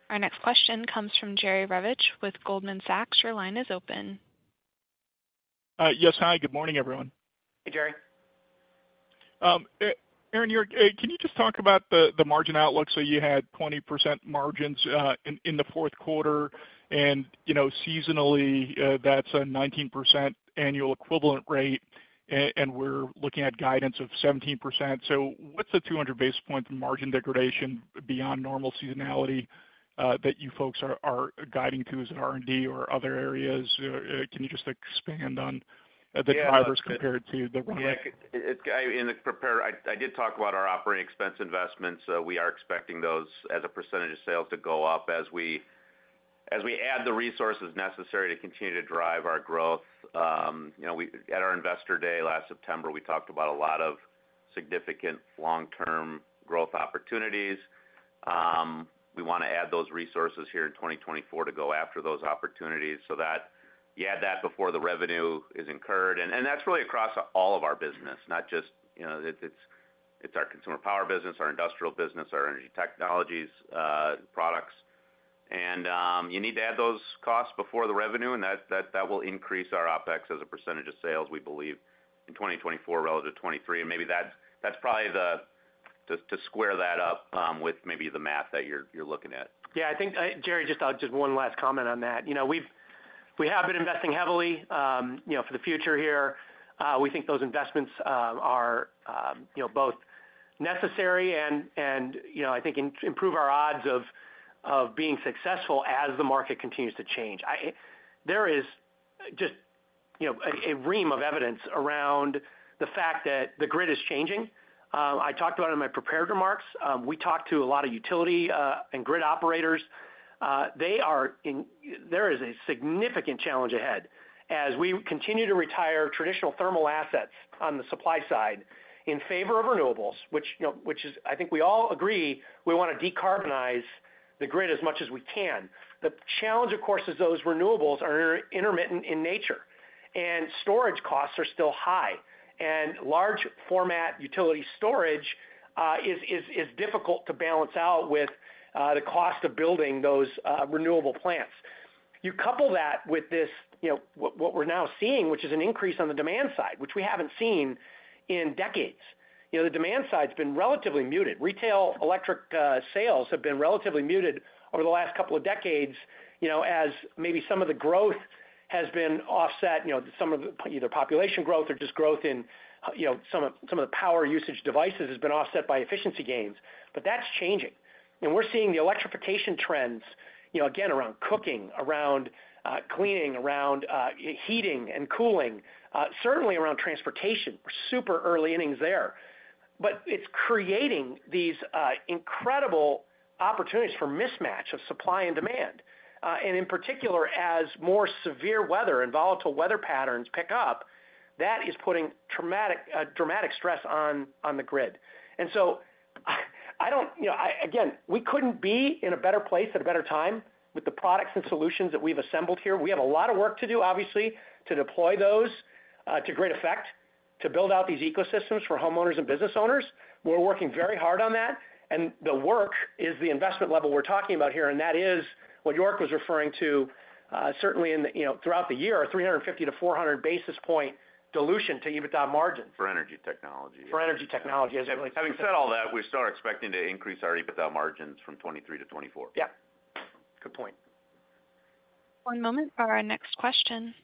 Our next question comes from Jerry Revich with Goldman Sachs. Your line is open. Yes, hi. Good morning, everyone. Hey, Jerry. Aaron, can you just talk about the margin outlook? So you had 20% margins in the fourth quarter. And seasonally, that's a 19% annual equivalent rate. And we're looking at guidance of 17%. So what's the 200 basis points margin degradation beyond normal seasonality that you folks are guiding to as an R&D or other areas? Can you just expand on the drivers compared to the runway? Yeah, in the prepared, I did talk about our operating expense investments. We are expecting those as a percentage of sales to go up as we add the resources necessary to continue to drive our growth. At our investor day last September, we talked about a lot of significant long-term growth opportunities. We want to add those resources here in 2024 to go after those opportunities so that you add that before the revenue is incurred. And that's really across all of our business, not just, it's our consumer power business, our industrial business, our energy technologies products. And you need to add those costs before the revenue, and that will increase our OpEx as a percentage of sales, we believe, in 2024 relative to 2023. And maybe that's probably the way to square that up with maybe the math that you're looking at. Yeah, I think, Jerry, just one last comment on that. We have been investing heavily for the future here. We think those investments are both necessary and, I think, improve our odds of being successful as the market continues to change. There is just a ream of evidence around the fact that the grid is changing. I talked about it in my prepared remarks. We talked to a lot of utility and grid operators. There is a significant challenge ahead. As we continue to retire traditional thermal assets on the supply side in favor of renewables, which is, I think, we all agree we want to decarbonize the grid as much as we can. The challenge, of course, is those renewables are intermittent in nature. And storage costs are still high. And large-format utility storage is difficult to balance out with the cost of building those renewable plants. You couple that with what we're now seeing, which is an increase on the demand side, which we haven't seen in decades. The demand side has been relatively muted. Retail electric sales have been relatively muted over the last couple of decades as maybe some of the growth has been offset. Some of the either population growth or just growth in some of the power usage devices has been offset by efficiency gains. But that's changing. And we're seeing the electrification trends, again, around cooking, around cleaning, around heating and cooling, certainly around transportation. We're super early innings there. But it's creating these incredible opportunities for mismatch of supply and demand. And in particular, as more severe weather and volatile weather patterns pick up, that is putting dramatic stress on the grid. And so, I don't again, we couldn't be in a better place at a better time with the products and solutions that we've assembled here. We have a lot of work to do, obviously, to deploy those to great effect, to build out these ecosystems for homeowners and business owners. We're working very hard on that. And the work is the investment level we're talking about here. And that is what York was referring to, certainly throughout the year, 350-400 basis point dilution to EBITDA margins. For energy technology. For energy technology, as everybody says. Having said all that, we start expecting to increase our EBITDA margins from 2023 to 2024. Yeah. Good point. One moment for our next question.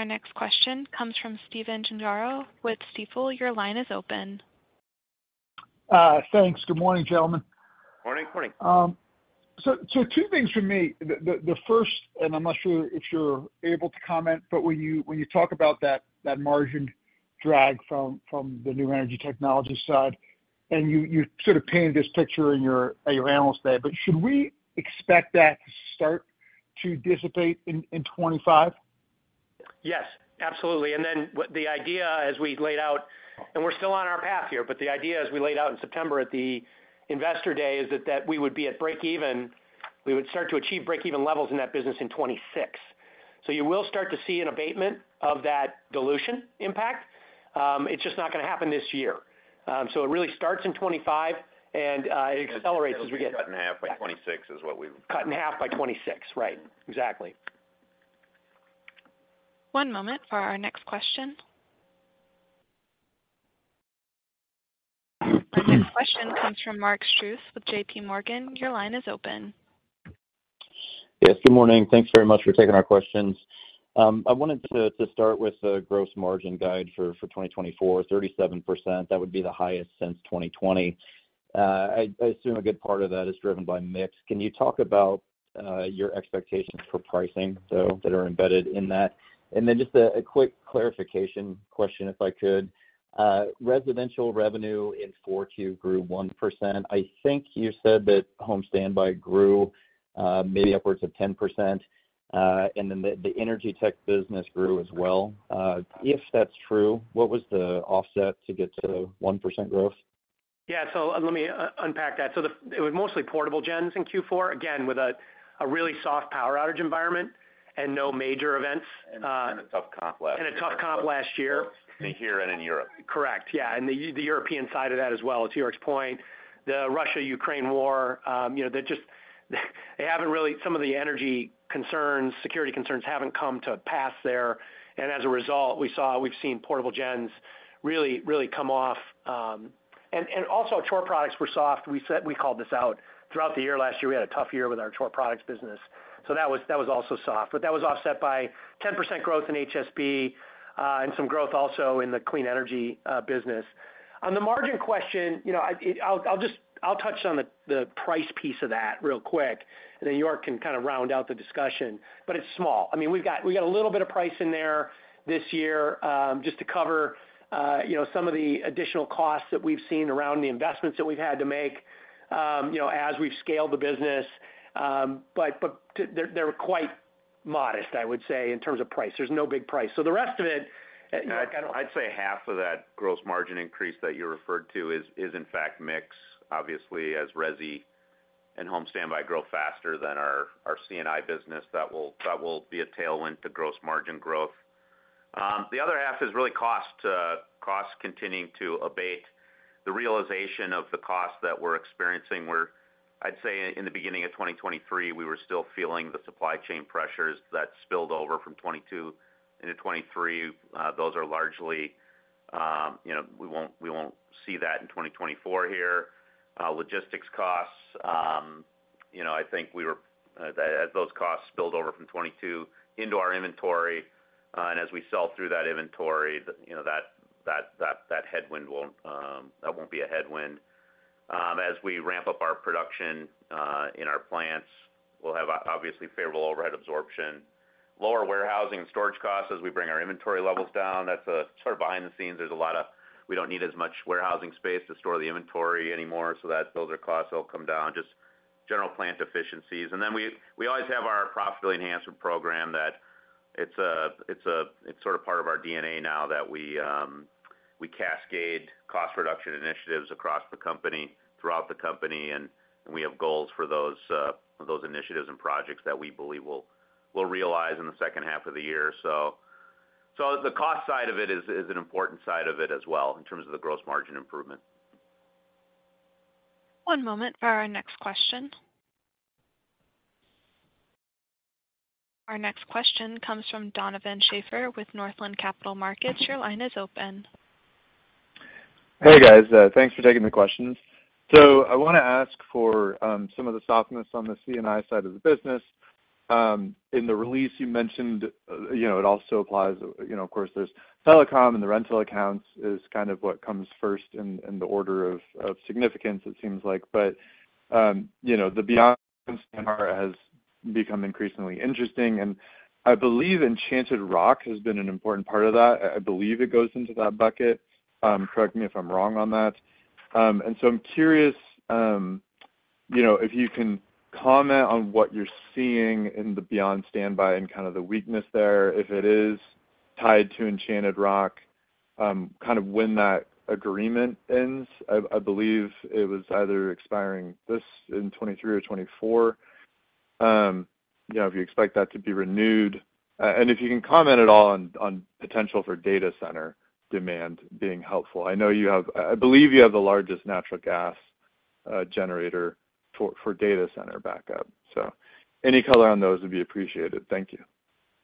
Our next question comes from Stephen Gengaro with Stifel. Your line is open. Thanks. Good morning, gentlemen. Morning. Two things for me. The first, and I'm not sure if you're able to comment, but when you talk about that margin drag from the new energy technology side, and you sort of painted this picture at your Analyst Day, but should we expect that to start to dissipate in 2025? Yes, absolutely. And then the idea, as we laid out and we're still on our path here, but the idea, as we laid out in September at the investor day, is that we would be at break-even. We would start to achieve break-even levels in that business in 2026. So you will start to see an abatement of that dilution impact. It's just not going to happen this year. So it really starts in 2025, and it accelerates as we get. So we're going to be cut in half by 2026 is what we've. Cut in half by 2026. Right. Exactly. One moment for our next question. Our next question comes from Mark Strouse with JPMorgan. Your line is open. Yes, good morning. Thanks very much for taking our questions. I wanted to start with the gross margin guide for 2024, 37%. That would be the highest since 2020. I assume a good part of that is driven by mix. Can you talk about your expectations for pricing, though, that are embedded in that? And then just a quick clarification question, if I could. Residential revenue in 4Q grew 1%. I think you said that home standby grew maybe upwards of 10%. And then the energy tech business grew as well. If that's true, what was the offset to get to 1% growth? Yeah, so let me unpack that. So it was mostly portable gens in Q4, again, with a really soft power outage environment and no major events. A tough comp last year. A tough comp last year. Here and in Europe. Correct. Yeah. And the European side of that as well, to York's point, the Russia-Ukraine war, they haven't really some of the energy concerns, security concerns haven't come to pass there. And as a result, we've seen portable gens really, really come off. And also, core products were soft. We called this out throughout the year. Last year, we had a tough year with our core products business. So that was also soft. But that was offset by 10% growth in HSB and some growth also in the clean energy business. On the margin question, I'll touch on the price piece of that real quick. And then York can kind of round out the discussion. But it's small. I mean, we've got a little bit of price in there this year just to cover some of the additional costs that we've seen around the investments that we've had to make as we've scaled the business. But they're quite modest, I would say, in terms of price. There's no big price. So the rest of it, I don't. I'd say half of that gross margin increase that you referred to is, in fact, mix, obviously, as Resi and home standby grow faster than our C&I business. That will be a tailwind to gross margin growth. The other half is really costs continuing to abate. The realization of the costs that we're experiencing where I'd say in the beginning of 2023, we were still feeling the supply chain pressures that spilled over from 2022 into 2023. Those are largely we won't see that in 2024 here. Logistics costs, I think we were as those costs spilled over from 2022 into our inventory. And as we sell through that inventory, that headwind won't be a headwind. As we ramp up our production in our plants, we'll have, obviously, favorable overhead absorption. Lower warehousing and storage costs as we bring our inventory levels down. That's sort of behind the scenes. There's a lot of we don't need as much warehousing space to store the inventory anymore. So those are costs. They'll come down. Just general plant efficiencies. And then we always have our profitability enhancement program that it's sort of part of our DNA now that we cascade cost reduction initiatives across the company, throughout the company. And we have goals for those initiatives and projects that we believe we'll realize in the second half of the year. So the cost side of it is an important side of it as well in terms of the gross margin improvement. One moment for our next question. Our next question comes from Donovan Schafer with Northland Capital Markets. Your line is open. Hey, guys. Thanks for taking the questions. So I want to ask for some of the softness on the C&I side of the business. In the release, you mentioned it also applies. Of course, there's telecom and the rental accounts is kind of what comes first in the order of significance, it seems like. But the beyond standby has become increasingly interesting. And I believe Enchanted Rock has been an important part of that. I believe it goes into that bucket. Correct me if I'm wrong on that. And so I'm curious if you can comment on what you're seeing in the beyond standby and kind of the weakness there, if it is tied to Enchanted Rock, kind of when that agreement ends. I believe it was either expiring this in 2023 or 2024. If you expect that to be renewed. If you can comment at all on potential for data center demand being helpful? I know, I believe, you have the largest natural gas generator for data center backup. Any color on those would be appreciated. Thank you.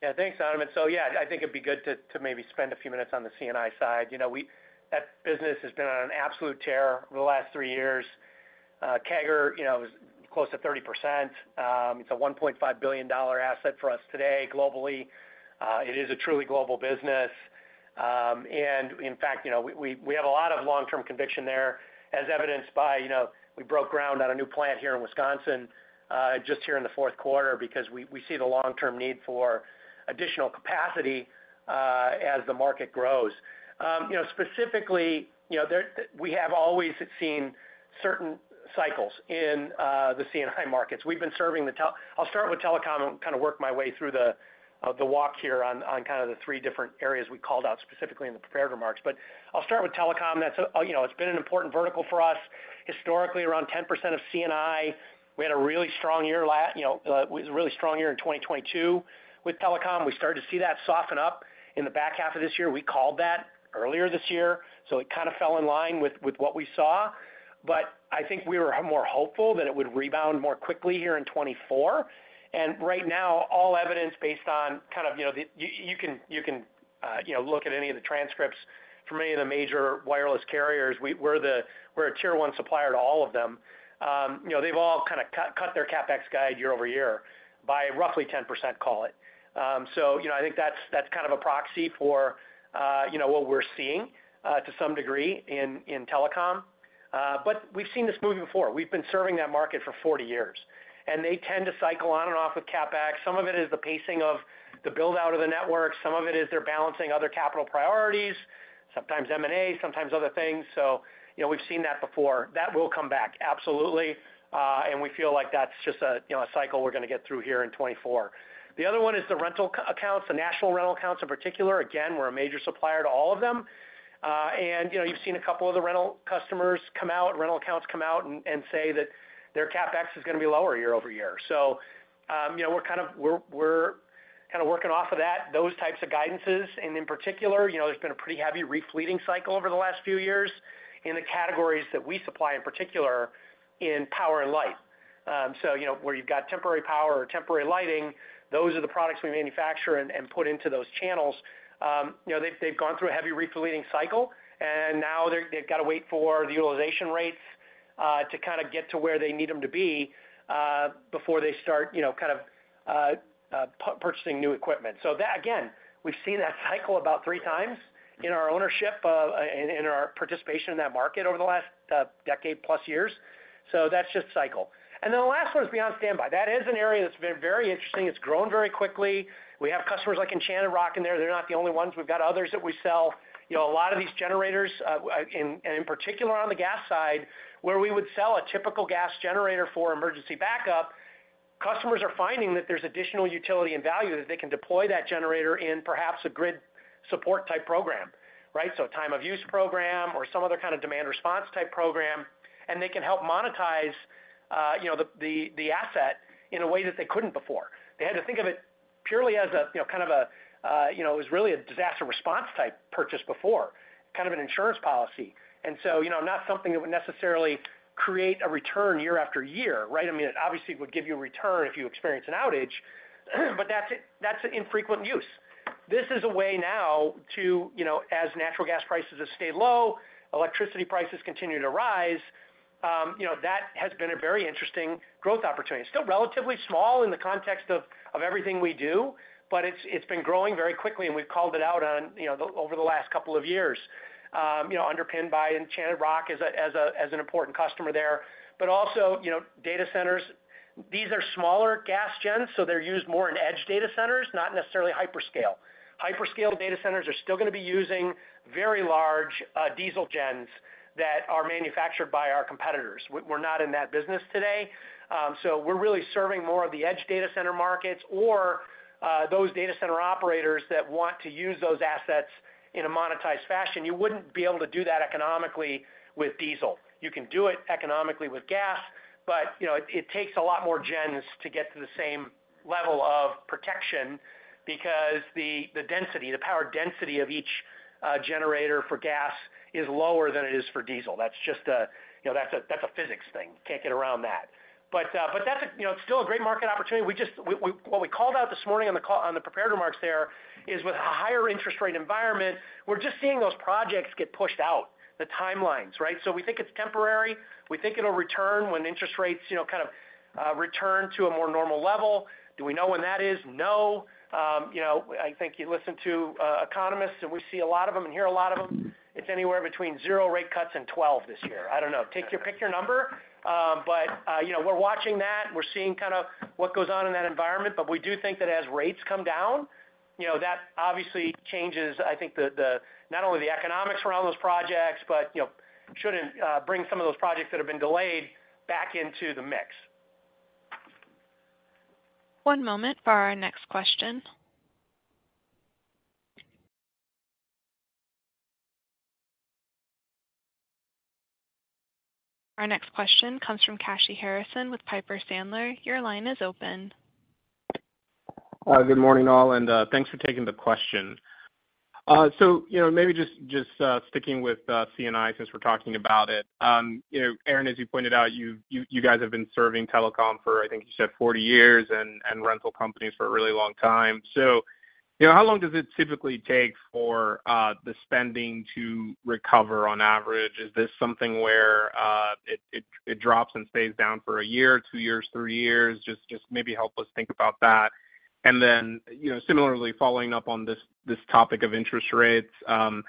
Yeah, thanks, Aaron. So yeah, I think it'd be good to maybe spend a few minutes on the C&I side. That business has been on an absolute tear over the last three years. CAGR was close to 30%. It's a $1.5 billion asset for us today globally. It is a truly global business. In fact, we have a lot of long-term conviction there, as evidenced by we broke ground on a new plant here in Wisconsin just here in the fourth quarter because we see the long-term need for additional capacity as the market grows. Specifically, we have always seen certain cycles in the C&I markets. We've been serving the. I'll start with telecom and kind of work my way through the walk here on kind of the three different areas we called out specifically in the prepared remarks. But I'll start with telecom. It's been an important vertical for us. Historically, around 10% of C&I. We had a really strong year. It was a really strong year in 2022 with telecom. We started to see that soften up in the back half of this year. We called that earlier this year. So it kind of fell in line with what we saw. But I think we were more hopeful that it would rebound more quickly here in 2024. And right now, all evidence, based on kind of you can look at any of the transcripts from any of the major wireless carriers. We're a tier one supplier to all of them. They've all kind of cut their CapEx guide year-over-year by roughly 10%, call it. So I think that's kind of a proxy for what we're seeing to some degree in telecom. But we've seen this movie before. We've been serving that market for 40 years. They tend to cycle on and off with CapEx. Some of it is the pacing of the buildout of the network. Some of it is they're balancing other capital priorities, sometimes M&A, sometimes other things. We've seen that before. That will come back, absolutely. We feel like that's just a cycle we're going to get through here in 2024. The other one is the rental accounts, the national rental accounts in particular. Again, we're a major supplier to all of them. You've seen a couple of the rental customers come out, rental accounts come out, and say that their CapEx is going to be lower year-over-year. We're kind of working off of that, those types of guidances. In particular, there's been a pretty heavy refleeting cycle over the last few years in the categories that we supply, in particular, in power and lighting. Where you've got temporary power or temporary lighting, those are the products we manufacture and put into those channels. They've gone through a heavy refleeting cycle. Now they've got to wait for the utilization rates to kind of get to where they need them to be before they start kind of purchasing new equipment. Again, we've seen that cycle about three times in our ownership and in our participation in that market over the last decade-plus years. That's just cycle. Then the last one is beyond standby. That is an area that's been very interesting. It's grown very quickly. We have customers like Enchanted Rock in there. They're not the only ones. We've got others that we sell. A lot of these generators, and in particular on the gas side, where we would sell a typical gas generator for emergency backup, customers are finding that there's additional utility and value that they can deploy that generator in perhaps a grid support type program, right? So a time-of-use program or some other kind of demand response type program. And they can help monetize the asset in a way that they couldn't before. They had to think of it purely as a kind of a it was really a disaster response type purchase before, kind of an insurance policy, and so not something that would necessarily create a return year after year, right? I mean, obviously, it would give you a return if you experience an outage. But that's infrequent use. This is a way now, too, as natural gas prices have stayed low, electricity prices continue to rise, that has been a very interesting growth opportunity. It's still relatively small in the context of everything we do, but it's been growing very quickly. And we've called it out over the last couple of years, underpinned by Enchanted Rock as an important customer there. But also, data centers, these are smaller gas gens, so they're used more in edge data centers, not necessarily hyperscale. Hyperscale data centers are still going to be using very large diesel gens that are manufactured by our competitors. We're not in that business today. So we're really serving more of the edge data center markets or those data center operators that want to use those assets in a monetized fashion. You wouldn't be able to do that economically with diesel. You can do it economically with gas, but it takes a lot more gens to get to the same level of protection because the density, the power density of each generator for gas is lower than it is for diesel. That's just a that's a physics thing. Can't get around that. But that's a it's still a great market opportunity. What we called out this morning on the prepared remarks there is with a higher interest rate environment, we're just seeing those projects get pushed out, the timelines, right? So we think it's temporary. We think it'll return when interest rates kind of return to a more normal level. Do we know when that is? No. I think you listen to economists, and we see a lot of them and hear a lot of them. It's anywhere between zero rate cuts and 12 this year. I don't know. Pick your number. But we're watching that. We're seeing kind of what goes on in that environment. But we do think that as rates come down, that obviously changes, I think, not only the economics around those projects, but shouldn't bring some of those projects that have been delayed back into the mix. One moment for our next question. Our next question comes from Kashy Harrison with Piper Sandler. Your line is open. Good morning, all. Thanks for taking the question. Maybe just sticking with C&I since we're talking about it. Aaron, as you pointed out, you guys have been serving telecom for, I think you said, 40 years and rental companies for a really long time. How long does it typically take for the spending to recover on average? Is this something where it drops and stays down for a year, two years, three years? Just maybe help us think about that. Then similarly, following up on this topic of interest rates, can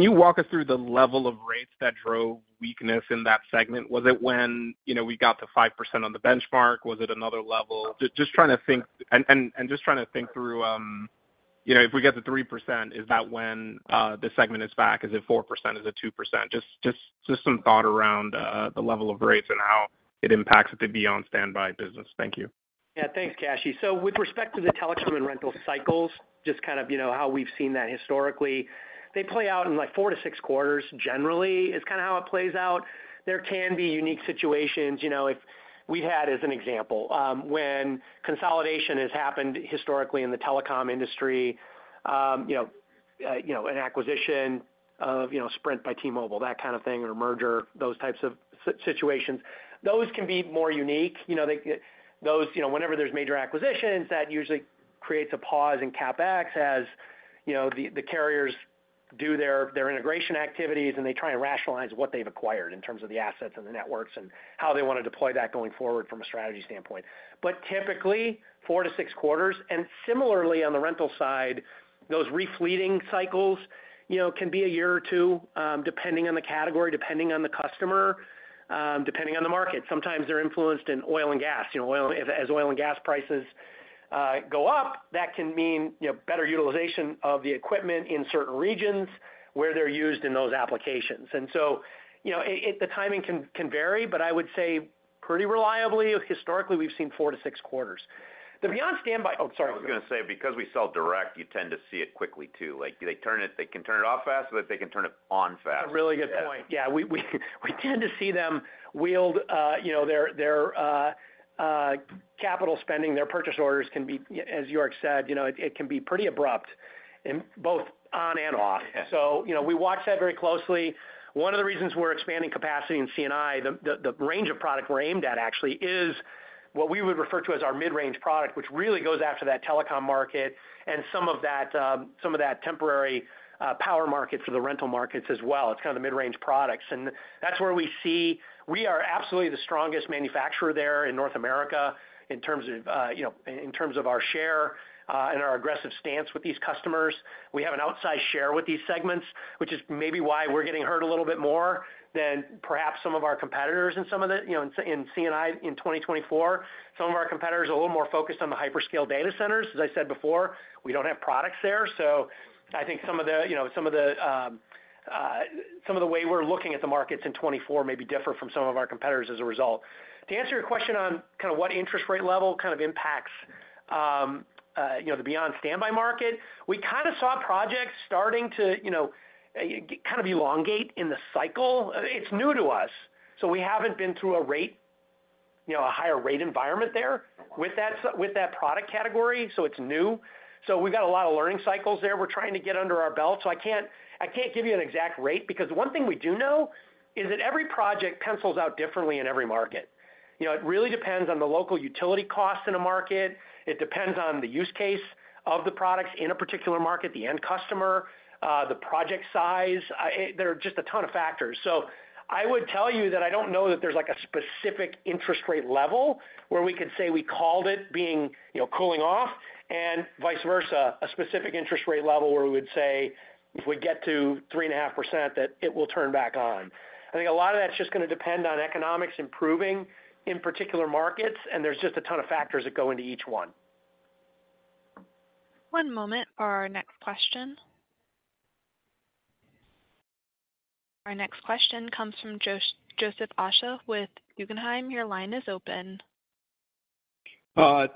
you walk us through the level of rates that drove weakness in that segment? Was it when we got to 5% on the benchmark? Was it another level? Just trying to think and just trying to think through if we get to 3%, is that when the segment is back? Is it 4%? Is it 2%? Just some thought around the level of rates and how it impacts the beyond standby business. Thank you. Yeah, thanks, Kashy. So with respect to the telecom and rental cycles, just kind of how we've seen that historically, they play out in 4-6 quarters, generally. It's kind of how it plays out. There can be unique situations. We've had, as an example, when consolidation has happened historically in the telecom industry, an acquisition of Sprint by T-Mobile, that kind of thing, or a merger, those types of situations, those can be more unique. Whenever there's major acquisitions, that usually creates a pause in CapEx as the carriers do their integration activities, and they try and rationalize what they've acquired in terms of the assets and the networks and how they want to deploy that going forward from a strategy standpoint. But typically, 4-6 quarters. Similarly, on the rental side, those re-fleeting cycles can be a year or two, depending on the category, depending on the customer, depending on the market. Sometimes they're influenced in oil and gas. As oil and gas prices go up, that can mean better utilization of the equipment in certain regions where they're used in those applications. And so the timing can vary, but I would say pretty reliably, historically, we've seen four to six quarters. The beyond standby oh, sorry. I was going to say, because we sell direct, you tend to see it quickly, too. They can turn it off fast, but they can turn it on fast. A really good point. Yeah, we tend to see them wield their capital spending, their purchase orders can be, as York said, it can be pretty abrupt, both on and off. So we watch that very closely. One of the reasons we're expanding capacity in C&I, the range of product we're aimed at, actually, is what we would refer to as our mid-range product, which really goes after that telecom market and some of that temporary power market for the rental markets as well. It's kind of the mid-range products. And that's where we see we are absolutely the strongest manufacturer there in North America in terms of our share and our aggressive stance with these customers. We have an outsized share with these segments, which is maybe why we're getting hurt a little bit more than perhaps some of our competitors in some of the in C&I in 2024. Some of our competitors are a little more focused on the hyperscale data centers. As I said before, we don't have products there. So I think some of the way we're looking at the markets in 2024 may be different from some of our competitors as a result. To answer your question on kind of what interest rate level kind of impacts the beyond standby market, we kind of saw projects starting to kind of elongate in the cycle. It's new to us. So we haven't been through a rate, a higher rate environment there with that product category. So it's new. So we've got a lot of learning cycles there. We're trying to get under our belt. So I can't give you an exact rate because one thing we do know is that every project pencils out differently in every market. It really depends on the local utility costs in a market. It depends on the use case of the products in a particular market, the end customer, the project size. There are just a ton of factors. So I would tell you that I don't know that there's a specific interest rate level where we could say we called it being cooling off and vice versa, a specific interest rate level where we would say if we get to 3.5%, that it will turn back on. I think a lot of that's just going to depend on economics improving in particular markets. And there's just a ton of factors that go into each one. One moment for our next question. Our next question comes from Joseph Osha with Guggenheim. Your line is open.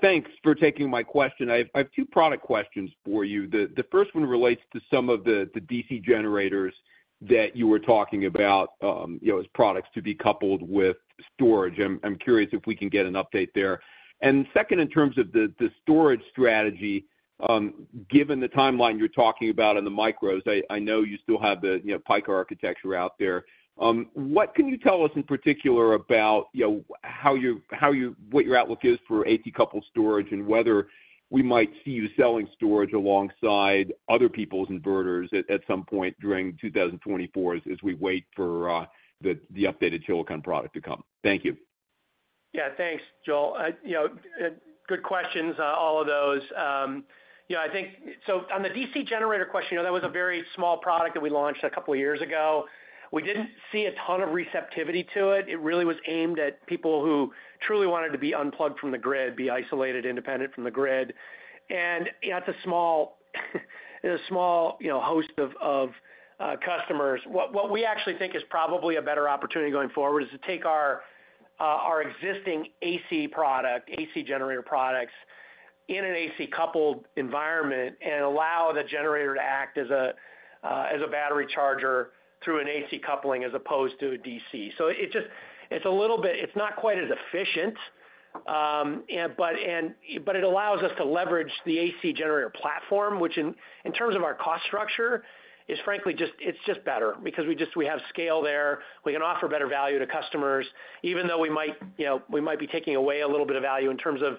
Thanks for taking my question. I have two product questions for you. The first one relates to some of the DC generators that you were talking about as products to be coupled with storage. I'm curious if we can get an update there. Second, in terms of the storage strategy, given the timeline you're talking about in the micros, I know you still have the Pika architecture out there. What can you tell us in particular about how your outlook is for AC-coupled storage and whether we might see you selling storage alongside other people's inverters at some point during 2024 as we wait for the updated Chilicon product to come? Thank you. Yeah, thanks, Joel. Good questions, all of those. I think so on the DC generator question, that was a very small product that we launched a couple of years ago. We didn't see a ton of receptivity to it. It really was aimed at people who truly wanted to be unplugged from the grid, be isolated, independent from the grid. And it's a small host of customers. What we actually think is probably a better opportunity going forward is to take our existing AC product, AC generator products, in an AC coupled environment and allow the generator to act as a battery charger through an AC coupling as opposed to a DC. So it's just it's a little bit it's not quite as efficient, but it allows us to leverage the AC generator platform, which in terms of our cost structure, is frankly, just it's just better because we have scale there. We can offer better value to customers, even though we might we might be taking away a little bit of value in terms of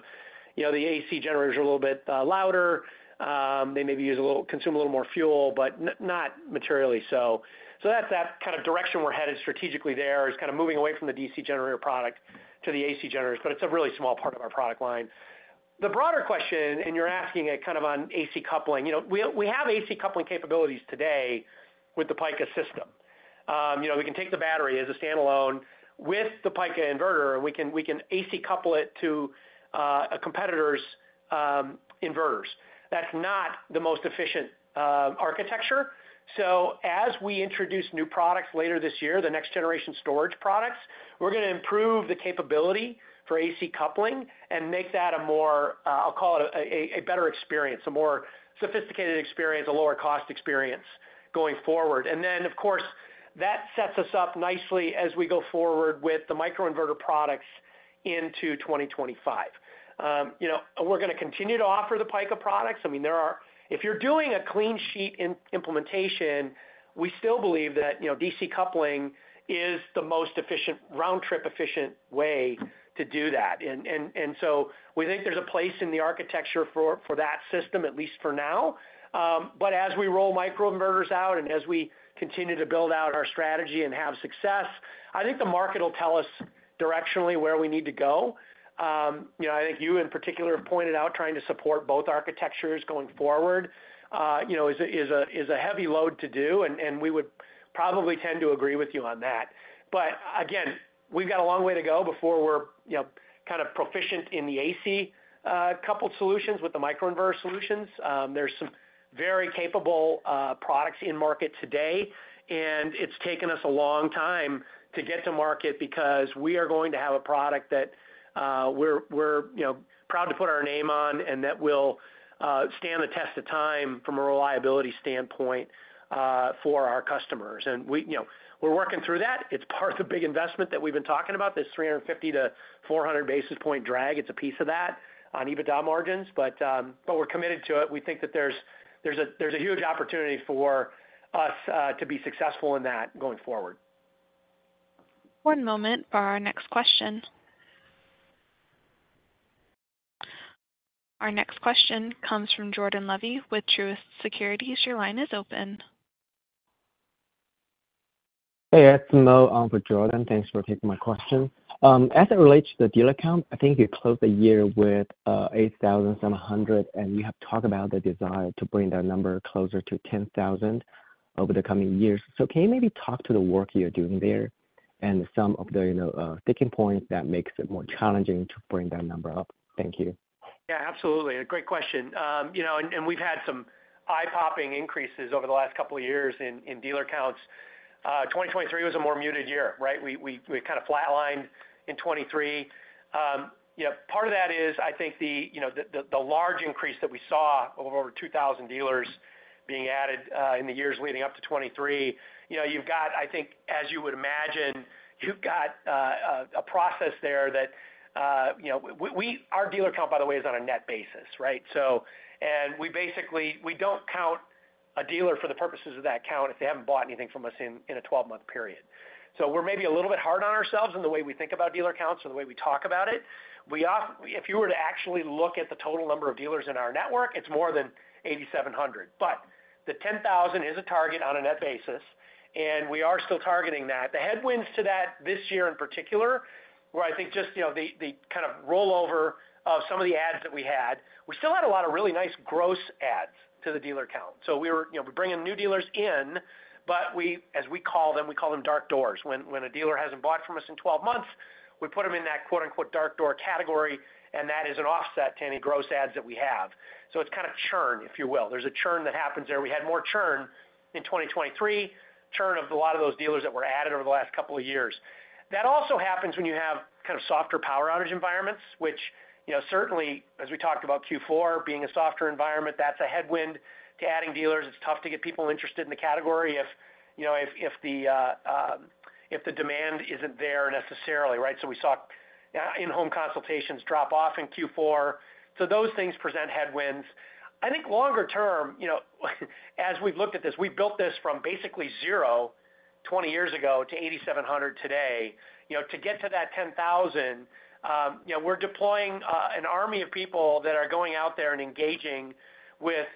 the AC generators are a little bit louder. They maybe use a little consume a little more fuel, but not materially. So that's that kind of direction we're headed strategically there is kind of moving away from the DC generator product to the AC generators. But it's a really small part of our product line. The broader question, and you're asking it kind of on AC coupling, we have AC coupling capabilities today with the PWRcell system. We can take the battery as a standalone with the Pika inverter, and we can AC couple it to a competitor's inverters. That's not the most efficient architecture. So as we introduce new products later this year, the next generation storage products, we're going to improve the capability for AC coupling and make that a more, I'll call it, a better experience, a more sophisticated experience, a lower cost experience going forward. And then, of course, that sets us up nicely as we go forward with the microinverter products into 2025. We're going to continue to offer the Pika products. I mean, there are, if you're doing a clean sheet implementation, we still believe that DC coupling is the most efficient, round-trip efficient way to do that. And so we think there's a place in the architecture for that system, at least for now. But as we roll microinverters out and as we continue to build out our strategy and have success, I think the market will tell us directionally where we need to go. I think you in particular have pointed out trying to support both architectures going forward is a heavy load to do, and we would probably tend to agree with you on that. But again, we've got a long way to go before we're kind of proficient in the AC coupled solutions with the microinverter solutions. There's some very capable products in market today, and it's taken us a long time to get to market because we are going to have a product that we're proud to put our name on and that will stand the test of time from a reliability standpoint for our customers. And we're working through that. It's part of the big investment that we've been talking about, this 350-400 basis point drag. It's a piece of that on EBITDA margins, but we're committed to it. We think that there's a huge opportunity for us to be successful in that going forward. One moment for our next question. Our next question comes from Jordan Levy with Truist Securities. Your line is open. Hey, it's Moe for Jordan. Thanks for taking my question. As it relates to the dealer count, I think you closed the year with 8,700, and you have talked about the desire to bring that number closer to 10,000 over the coming years. So can you maybe talk to the work you're doing there and some of the sticking points that makes it more challenging to bring that number up? Thank you. Yeah, absolutely. Great question. We've had some eye-popping increases over the last couple of years in dealer counts. 2023 was a more muted year, right? We kind of flatlined in 2023. Part of that is, I think, the large increase that we saw of over 2,000 dealers being added in the years leading up to 2023. You've got, I think, as you would imagine, you've got a process there that our dealer count, by the way, is on a net basis, right? We basically don't count a dealer for the purposes of that count if they haven't bought anything from us in a 12-month period. So we're maybe a little bit hard on ourselves in the way we think about dealer counts or the way we talk about it. If you were to actually look at the total number of dealers in our network, it's more than 8,700. But the 10,000 is a target on a net basis, and we are still targeting that. The headwinds to that this year in particular, where I think just the kind of rollover of some of the adds that we had, we still had a lot of really nice gross adds to the dealer count. So we were bringing new dealers in, but as we call them, we call them dark doors. When a dealer hasn't bought from us in 12 months, we put them in that "dark door" category, and that is an offset to any gross adds that we have. So it's kind of churn, if you will. There's a churn that happens there. We had more churn in 2023, churn of a lot of those dealers that were added over the last couple of years. That also happens when you have kind of softer power outage environments, which certainly, as we talked about Q4 being a softer environment, that's a headwind to adding dealers. It's tough to get people interested in the category if the demand isn't there necessarily, right? So we saw in-home consultations drop off in Q4. So those things present headwinds. I think longer term, as we've looked at this, we built this from basically zero 20 years ago to 8,700 today. To get to that 10,000, we're deploying an army of people that are going out there and engaging with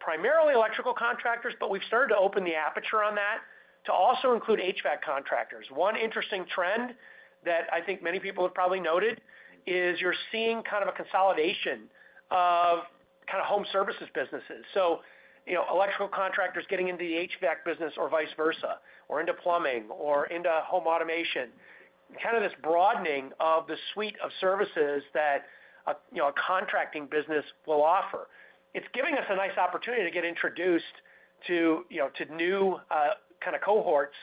primarily electrical contractors, but we've started to open the aperture on that to also include HVAC contractors. One interesting trend that I think many people have probably noted is you're seeing kind of a consolidation of kind of home services businesses. So electrical contractors getting into the HVAC business or vice versa or into plumbing or into home automation, kind of this broadening of the suite of services that a contracting business will offer. It's giving us a nice opportunity to get introduced to new kind of cohorts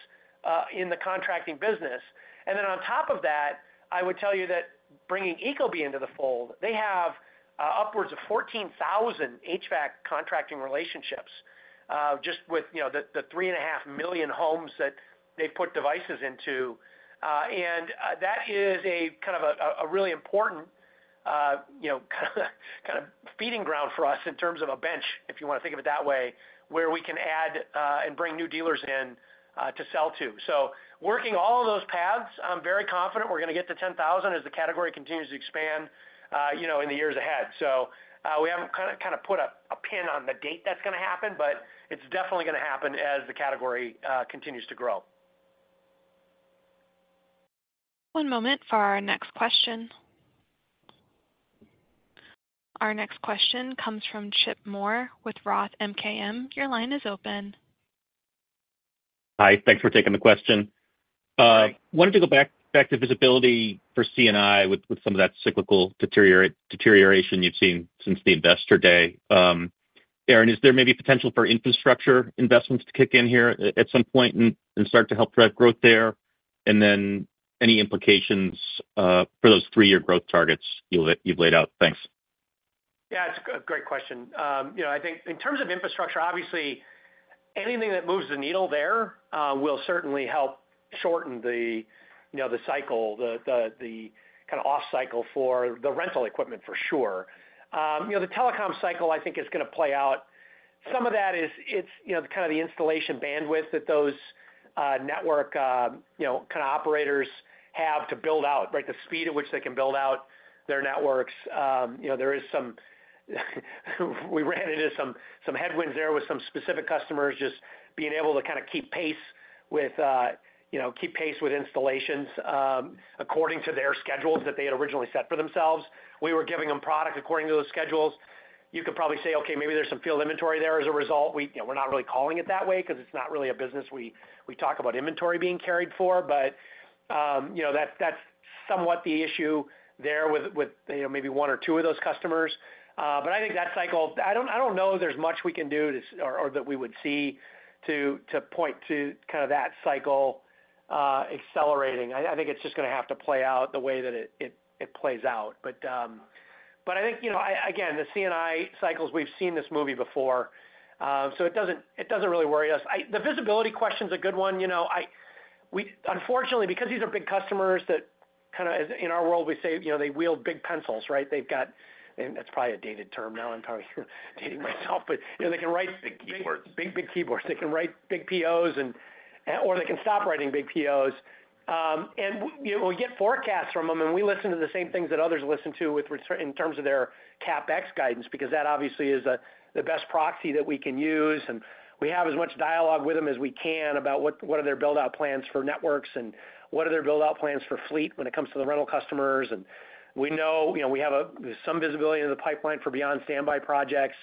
in the contracting business. And then on top of that, I would tell you that bringing Ecobee into the fold, they have upwards of 14,000 HVAC contracting relationships just with the 3.5 million homes that they've put devices into. And that is a kind of a really important kind of feeding ground for us in terms of a bench, if you want to think of it that way, where we can add and bring new dealers in to sell to. So working all of those paths, I'm very confident we're going to get to 10,000 as the category continues to expand in the years ahead. So we haven't kind of put a pin on the date that's going to happen, but it's definitely going to happen as the category continues to grow. One moment for our next question. Our next question comes from Chip Moore with Roth MKM. Your line is open. Hi. Thanks for taking the question. Wanted to go back to visibility for C&I with some of that cyclical deterioration you've seen since the investor day. Aaron, is there maybe potential for infrastructure investments to kick in here at some point and start to help drive growth there? And then any implications for those three-year growth targets you've laid out? Thanks. Yeah, it's a great question. I think in terms of infrastructure, obviously, anything that moves the needle there will certainly help shorten the cycle, the kind of off-cycle for the rental equipment, for sure. The telecom cycle, I think, is going to play out. Some of that is kind of the installation bandwidth that those network kind of operators have to build out, right? The speed at which they can build out their networks. There is some we ran into some headwinds there with some specific customers just being able to kind of keep pace with installations according to their schedules that they had originally set for themselves. We were giving them product according to those schedules. You could probably say, "Okay, maybe there's some field inventory there as a result." We're not really calling it that way because it's not really a business we talk about inventory being carried for. But that's somewhat the issue there with maybe one or two of those customers. But I think that cycle, I don't know, there's much we can do or that we would see to point to kind of that cycle accelerating. I think it's just going to have to play out the way that it plays out. But I think, again, the C&I cycles, we've seen this movie before. So it doesn't really worry us. The visibility question is a good one. Unfortunately, because these are big customers that kind of in our world, we say they wield big pencils, right? They've got, and that's probably a dated term now. I'm probably dating myself. But they can write. Big, big key buyers. They can write big POs, or they can stop writing big POs. We get forecasts from them, and we listen to the same things that others listen to in terms of their CapEx guidance because that obviously is the best proxy that we can use. We have as much dialogue with them as we can about what are their buildout plans for networks and what are their buildout plans for fleet when it comes to the rental customers. We know we have some visibility into the pipeline for Beyond Standby projects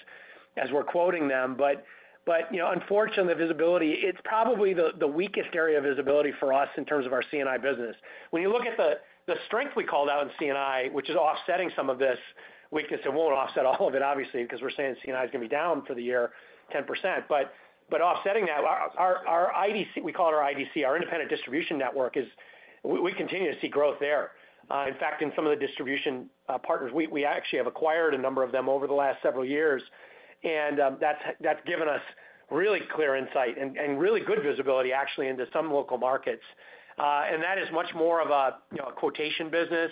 as we're quoting them. But unfortunately, the visibility, it's probably the weakest area of visibility for us in terms of our C&I business. When you look at the strength we called out in C&I, which is offsetting some of this weakness. It won't offset all of it, obviously, because we're saying C&I is going to be down for the year 10%. But offsetting that, our IDC, we call it our IDC, our independent distribution network. We continue to see growth there. In fact, in some of the distribution partners, we actually have acquired a number of them over the last several years. That's given us really clear insight and really good visibility, actually, into some local markets. That is much more of a quotation business.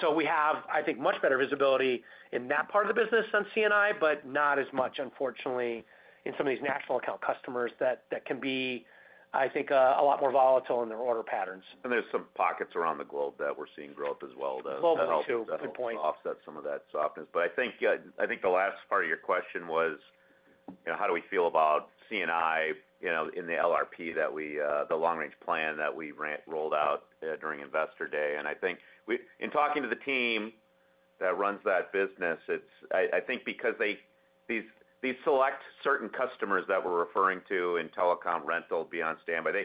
So we have, I think, much better visibility in that part of the business on C&I, but not as much, unfortunately, in some of these national account customers that can be, I think, a lot more volatile in their order patterns. And there's some pockets around the globe that we're seeing grow up as well to help. Globally, too. Good point. Offset some of that softness. But I think the last part of your question was, how do we feel about C&I in the LRP that we the long-range plan that we rolled out during investor day? And I think in talking to the team that runs that business, I think because they select certain customers that we're referring to in telecom, rental, Beyond Standby,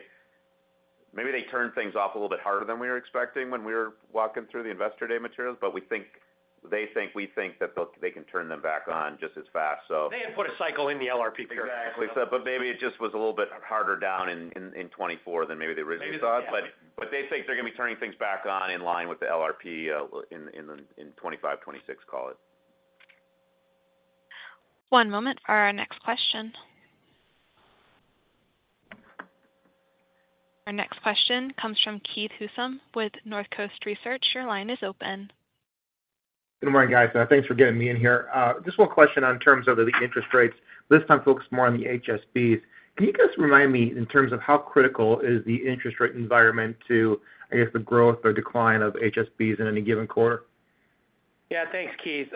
maybe they turn things off a little bit harder than we were expecting when we were walking through the investor day materials. But they think we think that they can turn them back on just as fast, so. They had put a cycle in the LRP curve. Exactly. But maybe it just was a little bit harder down in 2024 than maybe they originally thought. But they think they're going to be turning things back on in line with the LRP in 2025, 2026, call it. One moment for our next question. Our next question comes from Keith Housum with Northcoast Research. Your line is open. Good morning, guys. Thanks for getting me in here. Just one question in terms of the interest rates. This time focused more on the HSBs. Can you guys remind me in terms of how critical is the interest rate environment to, I guess, the growth or decline of HSBs in any given quarter? Yeah, thanks, Keith.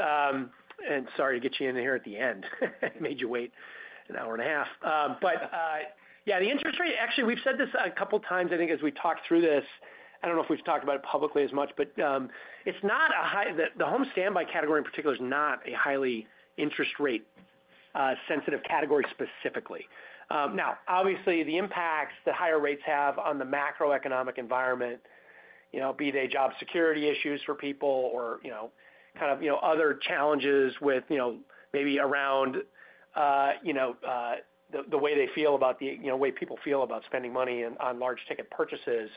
And sorry to get you in here at the end. I made you wait an hour and a half. But yeah, the interest rate actually, we've said this a couple of times, I think, as we talk through this. I don't know if we've talked about it publicly as much, but it's not. The home standby category in particular is not a highly interest-rate-sensitive category specifically. Now, obviously, the impacts that higher rates have on the macroeconomic environment, be they job security issues for people or kind of other challenges with maybe around the way they feel about the way people feel about spending money on large-ticket purchases,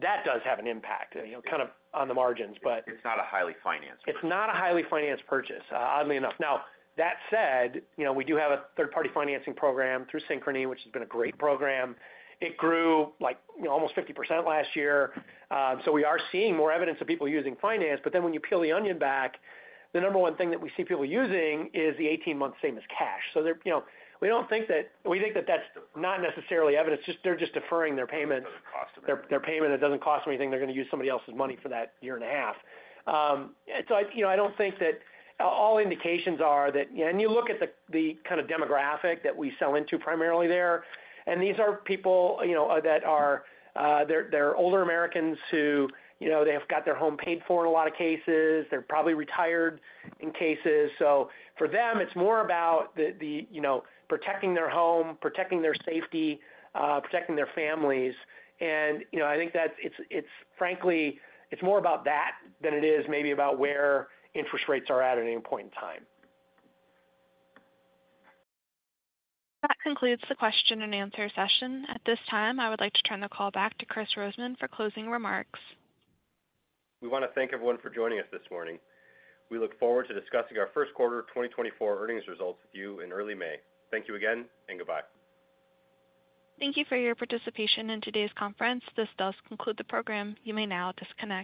that does have an impact kind of on the margins, but. It's not a highly financed purchase. It's not a highly financed purchase, oddly enough. Now, that said, we do have a third-party financing program through Synchrony, which has been a great program. It grew almost 50% last year. So we are seeing more evidence of people using finance. But then when you peel the onion back, the number one thing that we see people using is the 18-month same as cash. So we don't think that we think that that's not necessarily evidence. They're just deferring their payment. It doesn't cost them anything. Their payment. It doesn't cost them anything. They're going to use somebody else's money for that year and a half. So I don't think that all indications are that, and you look at the kind of demographic that we sell into primarily there, and these are people that are they're older Americans who they have got their home paid for in a lot of cases. They're probably retired in cases. So for them, it's more about protecting their home, protecting their safety, protecting their families. And I think that it's, frankly, it's more about that than it is maybe about where interest rates are at at any point in time. That concludes the question and answer session. At this time, I would like to turn the call back to Kris Rosemann for closing remarks. We want to thank everyone for joining us this morning. We look forward to discussing our first quarter 2024 earnings results with you in early May. Thank you again, and goodbye. Thank you for your participation in today's conference. This does conclude the program. You may now disconnect.